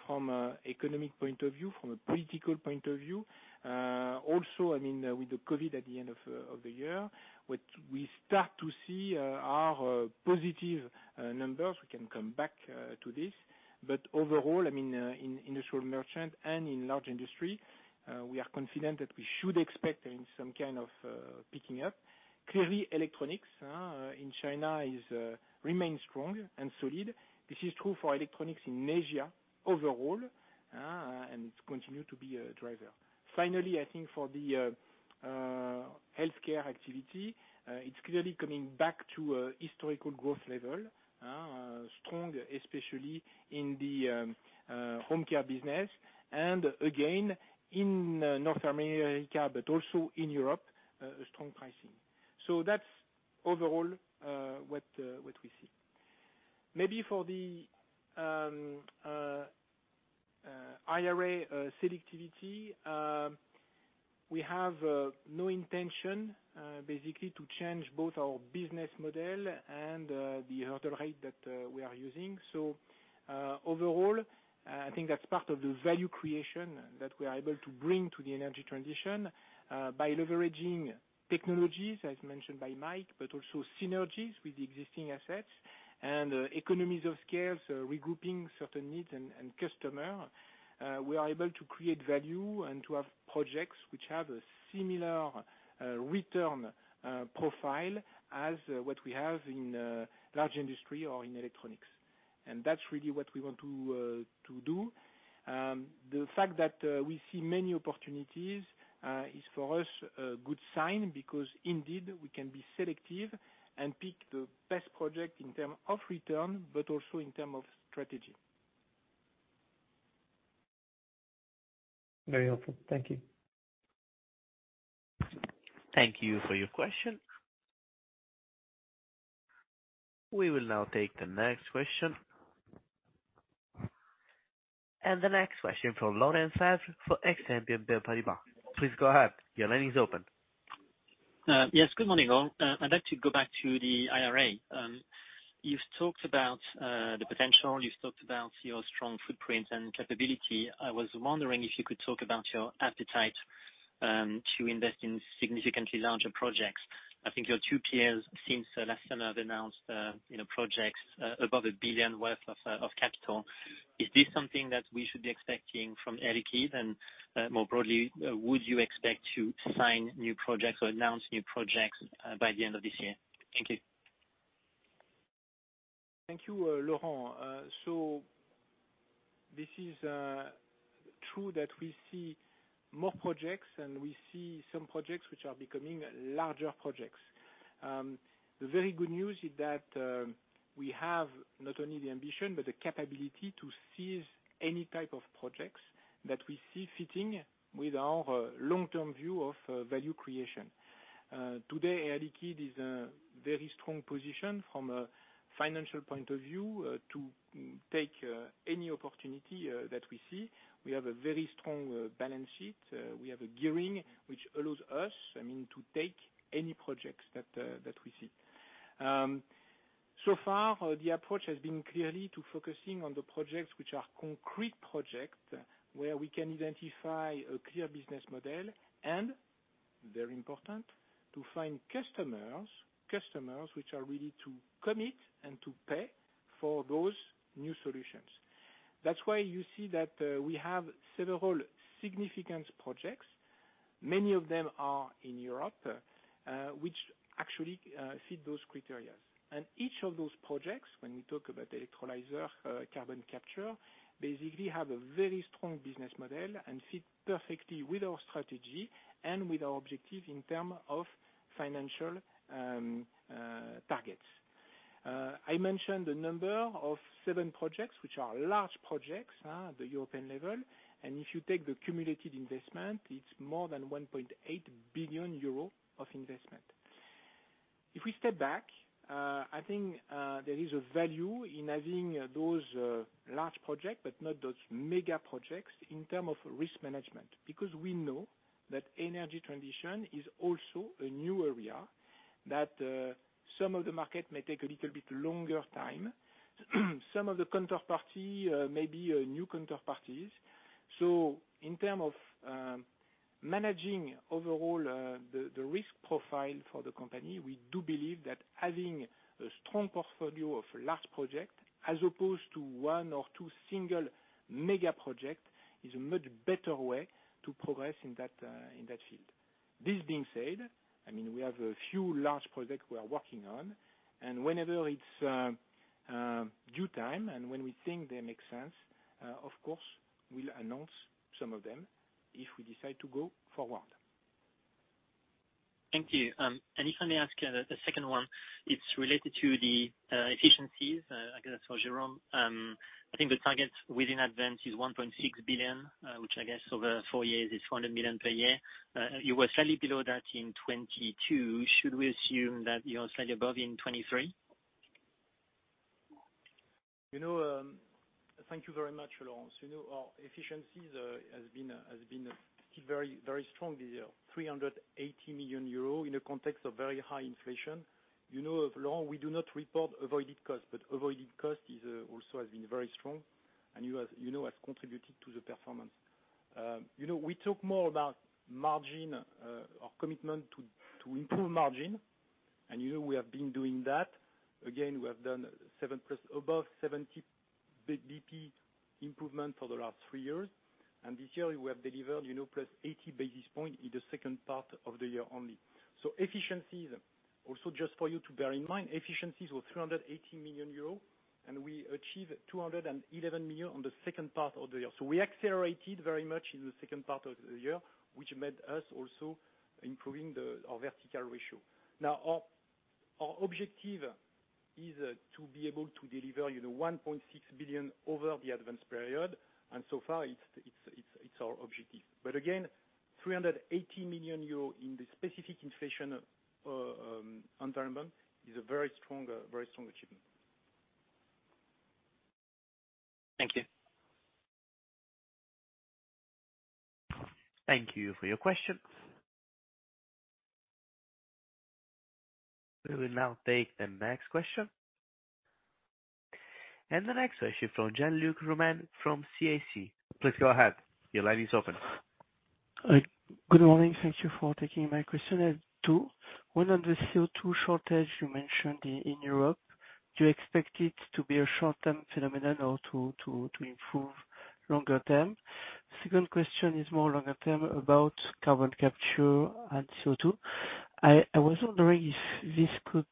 from economic point of view, from a political point of view. Also, I mean, with the COVID at the end of the year. What we start to see are positive numbers. We can come back to this. Overall, I mean, in Industrial Merchant and in Large Industry, we are confident that we should expect some kind of picking up. Clearly electronics in China is remain strong and solid. This is true for electronics in Asia overall, and it's continue to be a driver. Finally, I think for the Healthcare activity, it's clearly coming back to a historical growth level, strong, especially in the home care business and again, in North America, but also in Europe, strong pricing. That's overall what we see. Maybe for the IRA selectivity, we have no intention basically to change both our business model and the hurdle rate that we are using. Overall, I think that's part of the value creation that we are able to bring to the energy transition, by leveraging technologies as mentioned by Mike, but also synergies with the existing assets and economies of scale, regrouping certain needs and customer. We are able to create value and to have projects which have a similar return profile as what we have in large industry or in electronics. That's really what we want to do. The fact that we see many opportunities is for us a good sign because indeed we can be selective and pick the best project in terms of return, but also in terms of strategy. Very helpful. Thank you. Thank you for your question. We will now take the next question. The next question from Laurent Favre for Exane BNP Paribas. Please go ahead. Your line is open. Yes, good morning all. I'd like to go back to the IRA. You've talked about the potential, you've talked about your strong footprint and capability. I was wondering if you could talk about your appetite to invest in significantly larger projects. I think your two peers since last summer have announced, you know, projects above $1 billion worth of capital. Is this something that we should be expecting from Air Liquide? More broadly, would you expect to sign new projects or announce new projects by the end of this year? Thank you. Thank you, Laurent. This is true that we see more projects and we see some projects which are becoming larger projects. The very good news is that we have not only the ambition but the capability to seize any type of projects that we see fitting with our long-term view of value creation. Today, Air Liquide is a very strong position from a financial point of view, to take any opportunity that we see. We have a very strong balance sheet. We have a gearing which allows us, I mean, to take any projects that we see. So far the approach has been clearly to focusing on the projects which are concrete project, where we can identify a clear business model and very important to find customers which are ready to commit and to pay for those new solutions. That's why you see that we have several significant projects. Many of them are in Europe, which actually fit those criterias. Each of those projects, when we talk about electrolyzer, carbon capture, basically have a very strong business model and fit perfectly with our strategy and with our objective in term of financial targets. I mentioned a number of 7 projects which are large projects at the European level and if you take the cumulative investment, it's more than 1.8 billion euro of investment. If we step back, I think, there is a value in having those, large projects but not those mega projects in term of risk management because we know that energy transition is also a new area. That, some of the market may take a little bit longer time. Some of the counterparty, may be, new counterparties. So in term of, managing overall, the risk profile for the company, we do believe that having a strong portfolio of large project as opposed to one or two single mega project, is a much better way to progress in that, in that field. This being said, I mean, we have a few large projects we are working on, and whenever it's due time and when we think they make sense, of course, we'll announce some of them if we decide to go forward. Thank you. If I may ask a second one. It's related to the efficiencies, I guess for Jérôme. I think the target within ADVANCE is 1.6 billion, which I guess over four years is 400 million per year. You were slightly below that in 2022. Should we assume that you're slightly above in 2023? You know, thank you very much, Laurent Favre. You know, our efficiencies has been still very, very strong this year. 380 million euro in a context of very high inflation. You know of law, we do not report avoided costs, but avoided costs is also has been very strong and you know, has contributed to the performance. You know, we talk more about margin, our commitment to improve margin, and you know, we have been doing that. Again, we have done 7+, above 70 basis points improvement for the last 3 years. This year we have delivered, you know, +80 basis points in the second part of the year only. Efficiencies, also just for you to bear in mind, efficiencies were 380 million euros, and we achieved 211 million on the second part of the year. We accelerated very much in the second part of the year, which made us also improving our vertical ratio. Our objective is to be able to deliver, you know, 1.6 billion over the ADVANCE period, and so far it's our objective. Again, 380 million euro in the specific inflation environment is a very strong, very strong achievement. Thank you. Thank you for your question. We will now take the next question. The next question from Jean-Luc Romain from CIC. Please go ahead. Your line is open. Good morning. Thank you for taking my question. I have 2. 1 on the CO2 shortage you mentioned in Europe. Do you expect it to be a short-term phenomenon or to improve longer term? Second question is more longer term about carbon capture and CO2. I was wondering if this could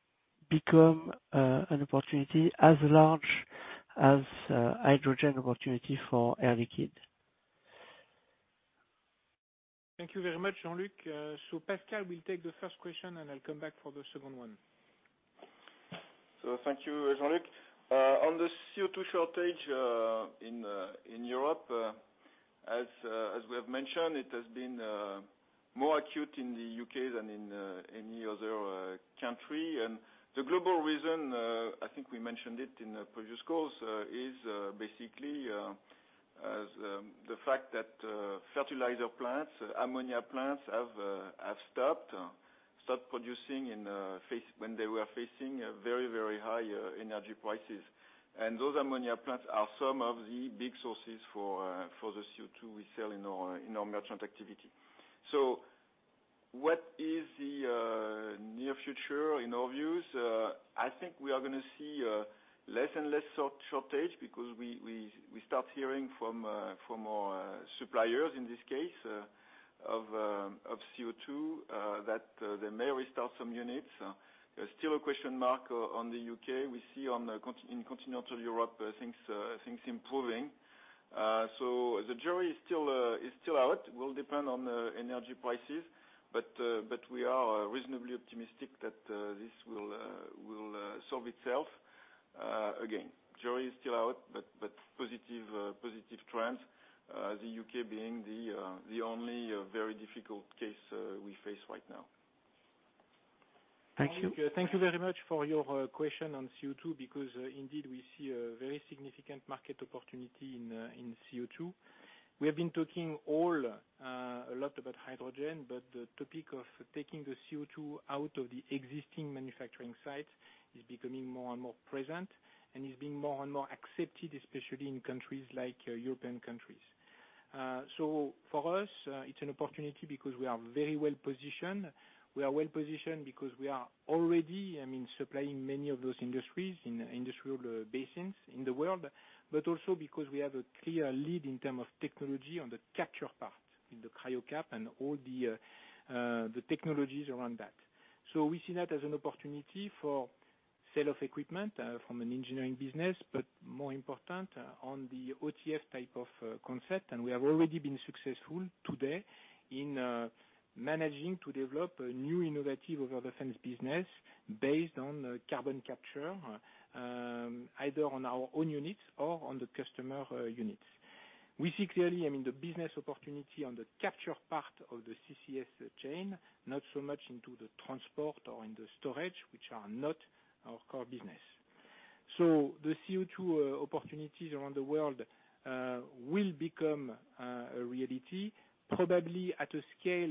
become an opportunity as large as hydrogen opportunity for Air Liquide. Thank you very much, Jean-Luc. Pascal will take the first question. I'll come back for the second one. Thank you, Jean-Luc. On the CO2 shortage in Europe, as we have mentioned, it has been more acute in the U.K. than in any other country. The global reason, I think we mentioned it in the previous calls, is basically the fact that fertilizer plants, ammonia plants have stopped producing when they were facing a very, very high energy prices. Those ammonia plants are some of the big sources for the CO2 we sell in our merchant activity. What is the near future in our views? I think we are gonna see less shortage because we start hearing from our suppliers in this case of CO2 that they may restart some units. There's still a question mark on the UK. We see in continental Europe things improving. The jury is still out, will depend on the energy prices, but we are reasonably optimistic that this will solve itself. Again, jury is still out, but positive trends, the UK being the only very difficult case we face right now. Thank you. Thank you very much for your question on CO2 because indeed we see a very significant market opportunity in CO2. We have been talking all a lot about hydrogen, but the topic of taking the CO2 out of the existing manufacturing sites is becoming more and more present. Is being more and more accepted, especially in countries like European countries. So for us, it's an opportunity because we are very well-positioned. We are well-positioned because we are already, I mean, supplying many of those industries in industrial basins in the world, but also because we have a clear lead in term of technology on the capture part, in the Cryocap and all the technologies around that. We see that as an opportunity for sale of equipment from an engineering business, but more important on the OTF type of concept. We have already been successful today in managing to develop a new innovative Over-The-Fence business based on carbon capture, either on our own units or on the customer units. We see clearly, I mean, the business opportunity on the capture part of the CCS chain, not so much into the transport or in the storage, which are not our core business. The CO2 opportunities around the world will become a reality probably at a scale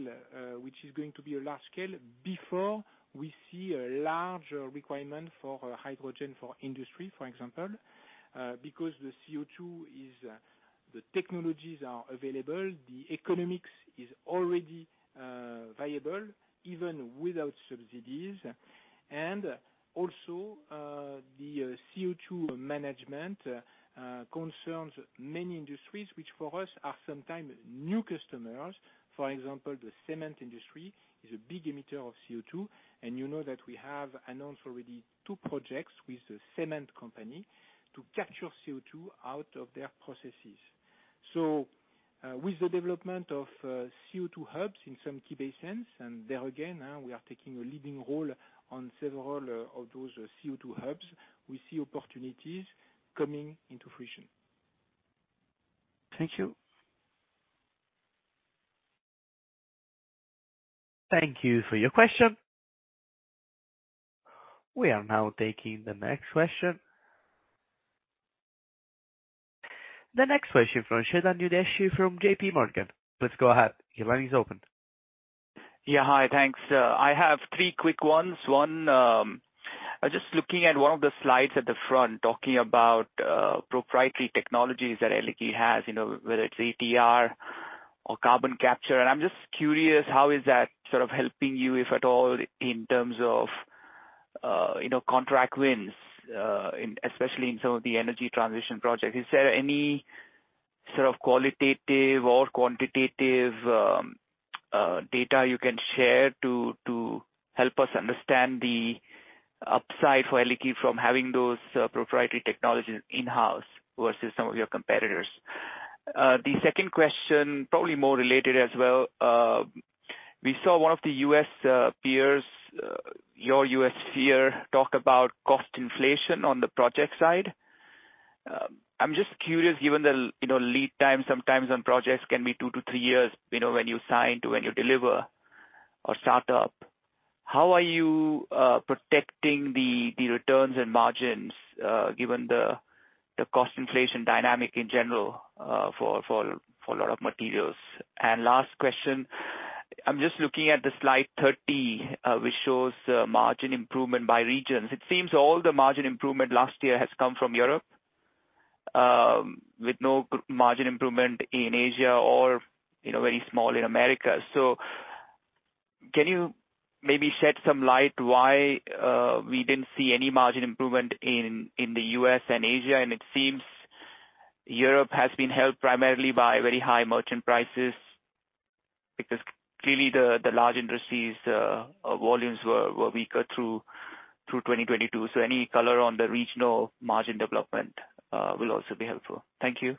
which is going to be a large scale before we see a large requirement for hydrogen, for industry, for example, because the CO2. The technologies are available, the economics is already viable even without subsidies. Also, the CO2 management concerns many industries which for us are sometimes new customers. For example, the cement industry is a big emitter of CO2, and you know that we have announced already two projects with the cement company to capture CO2 out of their processes. With the development of CO2 hubs in some key basins, and there again, we are taking a leading role on several of those CO2 hubs. We see opportunities coming into fruition. Thank you. Thank you for your question. We are now taking the next question. The next question from Chetan Udeshi from JPMorgan. Please go ahead. Your line is open. Yeah. Hi. Thanks. I have three quick ones. One, just looking at one of the slides at the front talking about proprietary technologies that Air Liquide has, you know, whether it's ATR or carbon capture. I'm just curious, how is that sort of helping you, if at all, in terms of, you know, contract wins, especially in some of the energy transition projects? Is there any sort of qualitative or quantitative data you can share to help us understand the upside for Air Liquide from having those proprietary technologies in-house versus some of your competitors? Second question, probably more related as well. We saw one of the US peers, your U.S. peer talk about cost inflation on the project side. I'm just curious, given the, you know, lead time sometimes on projects can be 2-3 years, you know, when you sign to when you deliver or start up, how are you protecting the returns and margins, given the cost inflation dynamic in general for a lot of materials? Last question, I'm just looking at the slide 30, which shows margin improvement by regions. It seems all the margin improvement last year has come from Europe, with no margin improvement in Asia or, you know, very small in America. Can you maybe shed some light why we didn't see any margin improvement in the US and Asia? It seems Europe has been helped primarily by very high merchant prices, because clearly the large industries volumes were weaker through 2022. Any color on the regional margin development will also be helpful. Thank you.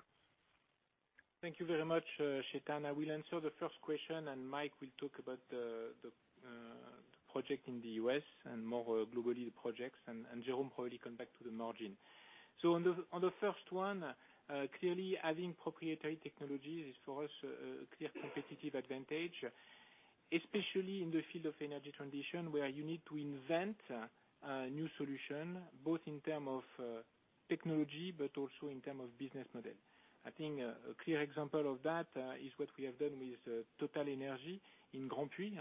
Thank you very much, Chetan. I will answer the first question, and Mike will talk about the project in the U.S. and more globally, the projects, and Jérôme will come back to the margin. On the first one, clearly having proprietary technologies is for us a clear competitive advantage, especially in the field of energy transition, where you need to invent a new solution, both in term of technology but also in term of business model. I think a clear example of that is what we have done with TotalEnergies in Grandpuits.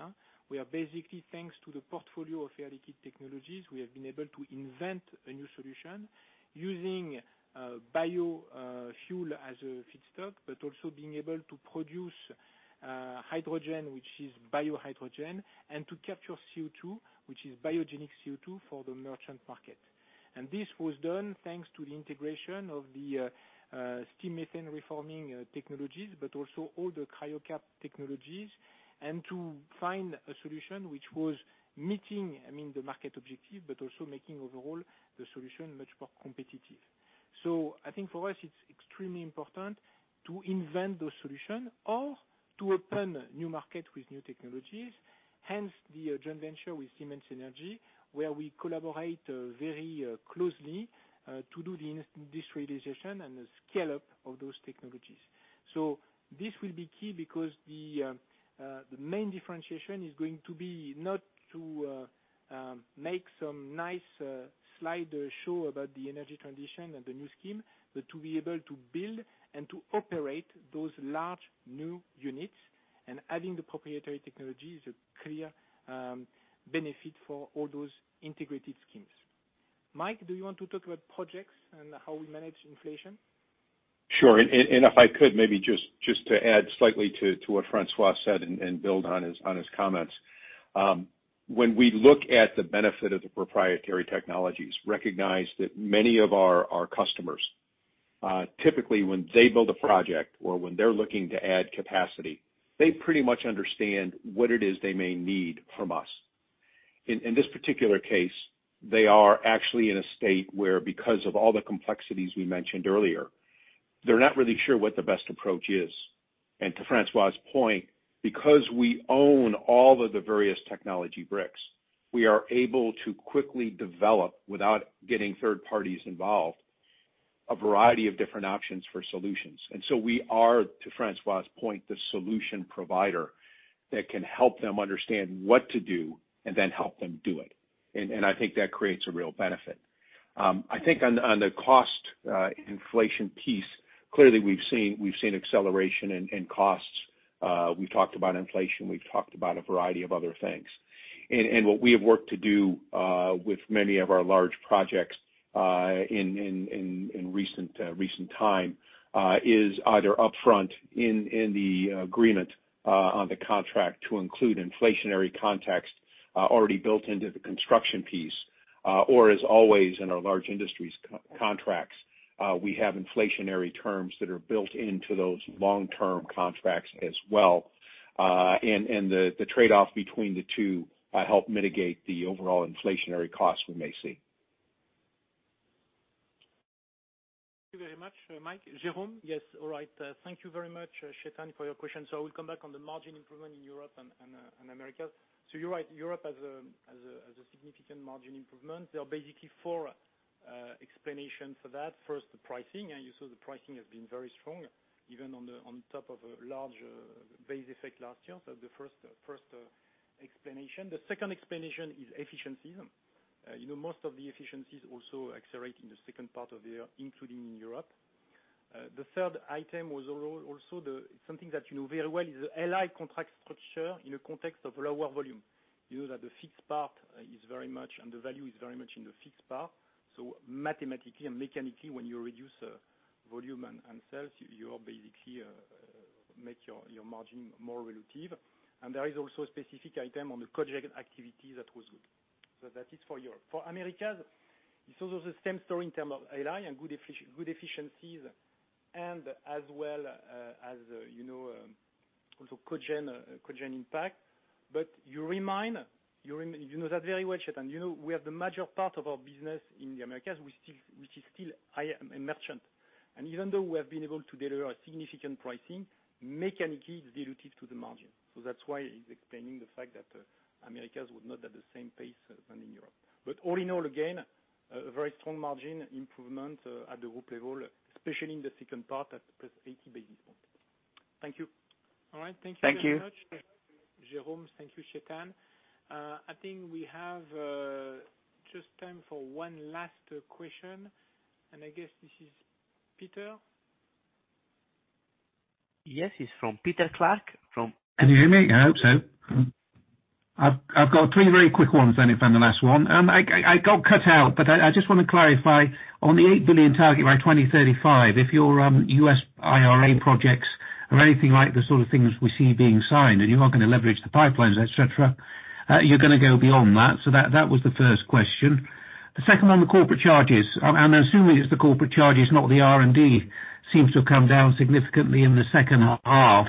We are basically thanks to the portfolio of Air Liquide technologies, we have been able to invent a new solution using bio fuel as a feedstock, but also being able to produce hydrogen, which is biohydrogen, and to capture CO2, which is biogenic CO2 for the merchant market. And this was done thanks to the integration of the steam methane reforming technologies, but also all the Cryocap technologies, and to find a solution which was meeting, I mean, the market objective, but also making overall the solution much more competitive. I think for us it's extremely important to invent those solutions or to open new markets with new technologies. Hence the joint venture with Siemens Energy, where we collaborate very closely to do the industrialization and scale-up of those technologies. This will be key because the main differentiation is going to be not to make some nice slide show about the energy transition and the new scheme, but to be able to build and to operate those large new units, and adding the proprietary technology is a clear benefit for all those integrated schemes. Mike, do you want to talk about projects and how we manage inflation? Sure. If I could maybe just to add slightly to what François said and build on his comments. When we look at the benefit of the proprietary technologies, recognize that many of our customers typically when they build a project or when they're looking to add capacity, they pretty much understand what it is they may need from us. In this particular case, they are actually in a state where because of all the complexities we mentioned earlier, they're not really sure what the best approach is. To François' point, because we own all of the various technology bricks, we are able to quickly develop without getting third parties involved. A variety of different options for solutions. We are, to François' point, the solution provider that can help them understand what to do and then help them do it. I think that creates a real benefit. I think on the cost inflation piece, clearly we've seen, we've seen acceleration in costs. We've talked about inflation, we've talked about a variety of other things. What we have worked to do with many of our large projects in recent recent time is either upfront in the agreement on the contract to include inflationary context already built into the construction piece, or as always in our large industries co-contracts, we have inflationary terms that are built into those long-term contracts as well. The trade-off between the two, help mitigate the overall inflationary costs we may see. Thank you very much, Mike. Jerome? Yes. All right. Thank you very much, Chetan, for your question. We'll come back on the margin improvement in Europe and Americas. You're right, Europe has a significant margin improvement. There are basically four explanations for that. First, the pricing, and you saw the pricing has been very strong, even on top of a large base effect last year. The second explanation is efficiency. You know, most of the efficiencies also accelerate in the second part of the year, including in Europe. The third item was also something that you know very well is the LI contract structure in the context of lower volume. You know that the fixed part is very much, and the value is very much in the fixed part. Mathematically and mechanically, when you reduce volume and sales, you basically make your margin more relative. There is also a specific item on the project activity that was good. That is for Europe. For Americas, it's also the same story in term of LI and good efficiencies and as well, as, you know, also cogen impact. You know that very well, Chetan Udeshi, you know, we have the major part of our business in the Americas, which is still high in merchant. Even though we have been able to deliver a significant pricing, mechanically it's dilutive to the margin. That's why it's explaining the fact that Americas would not be at the same pace as than in Europe. All in all, again, a very strong margin improvement, at the group level, especially in the second part at +80 basis point. Thank you. All right. Thank you very much. Thank you. Jérôme. Thank you, Chetan. I think we have just time for one last question, and I guess this is Peter. Yes, it's from Peter Clark. Can you hear me? I hope so. I've got three very quick ones then if I'm the last one. I got cut out, but I just wanna clarify. On the 8 billion target by 2035, if your U.S. IRA projects are anything like the sort of things we see being signed, and you are gonna leverage the pipelines, et cetera, you're gonna go beyond that. That was the first question. The second one, the corporate charges. I'm assuming it's the corporate charges, not the R&D, seems to have come down significantly in the second half.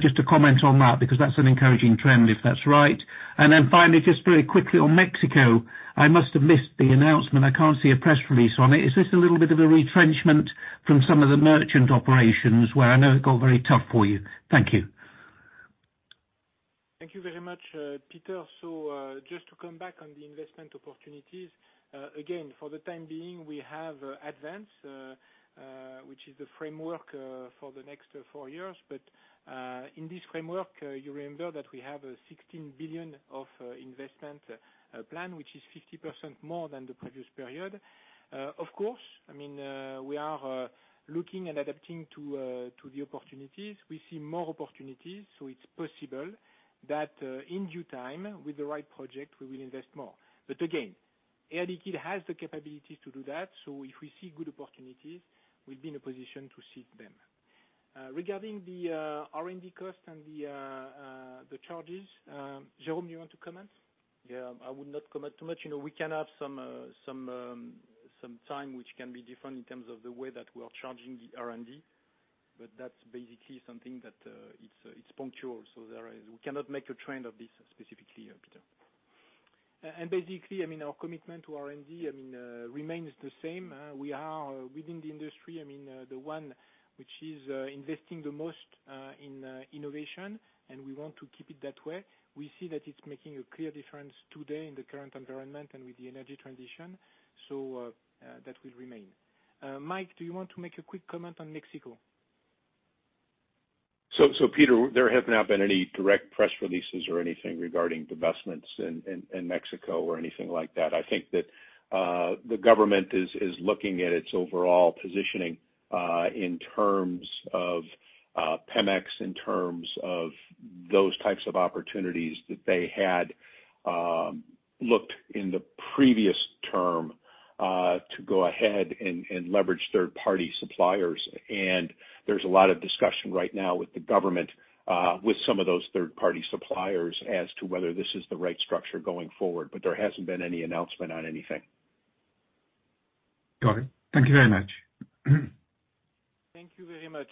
Just to comment on that, because that's an encouraging trend if that's right. Finally, just very quickly on Mexico, I must have missed the announcement. I can't see a press release on it. Is this a little bit of a retrenchment from some of the merchant operations where I know it got very tough for you? Thank you. Thank you very much, Peter. Just to come back on the investment opportunities, again, for the time being, we have ADVANCE, which is the framework for the next four years. In this framework, you remember that we have a 16 billion of investment plan, which is 50% more than the previous period. I mean, we are looking and adapting to the opportunities. We see more opportunities, it's possible that in due time, with the right project, we will invest more. Again, Air Liquide has the capabilities to do that, if we see good opportunities, we'll be in a position to seize them. Regarding the R&D cost and the charges, Jérôme, you want to comment? Yeah I will not comment too much. You know, we can have some time which can be different in terms of the way that we are charging the R&D, but that's basically something that it's punctual. There is we cannot make a trend of this specifically, Peter. I mean, our commitment to R&D remains the same. We are within the industry the one which is investing the most in innovation, and we want to keep it that way. We see that it's making a clear difference today in the current environment and with the energy transition. That will remain. Mike, do you want to make a quick comment on Mexico Peter, there have not been any direct press releases or anything regarding divestments in Mexico or anything like that. I think that the government is looking at its overall positioning in terms of Pemex, in terms of those types of opportunities that they had looked in the previous term to go ahead and leverage third-party suppliers. There's a lot of discussion right now with the government with some of those third-party suppliers as to whether this is the right structure going forward. There hasn't been any announcement on anything. Got it. Thank you very much. Thank you very much.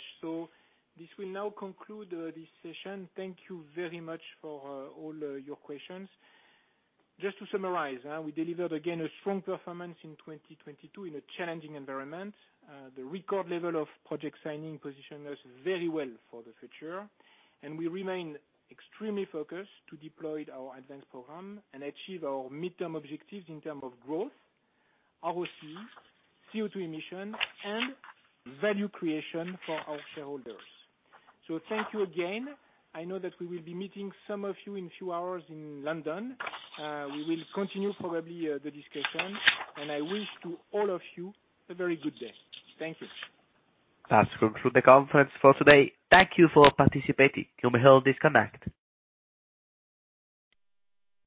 This will now conclude this session. Thank you very much for all your questions. Just to summarize, we delivered again a strong performance in 2022 in a challenging environment. The record level of project signing positioned us very well for the future. We remain extremely focused to deploy our ADVANCE program and achieve our midterm objectives in term of growth, ROCE, CO₂ emission, and value creation for our shareholders. Thank you again. I know that we will be meeting some of you in a few hours in London. We will continue probably the discussion, and I wish to all of you a very good day. Thank you. That concludes the conference for today. Thank you for participating. You may all disconnect.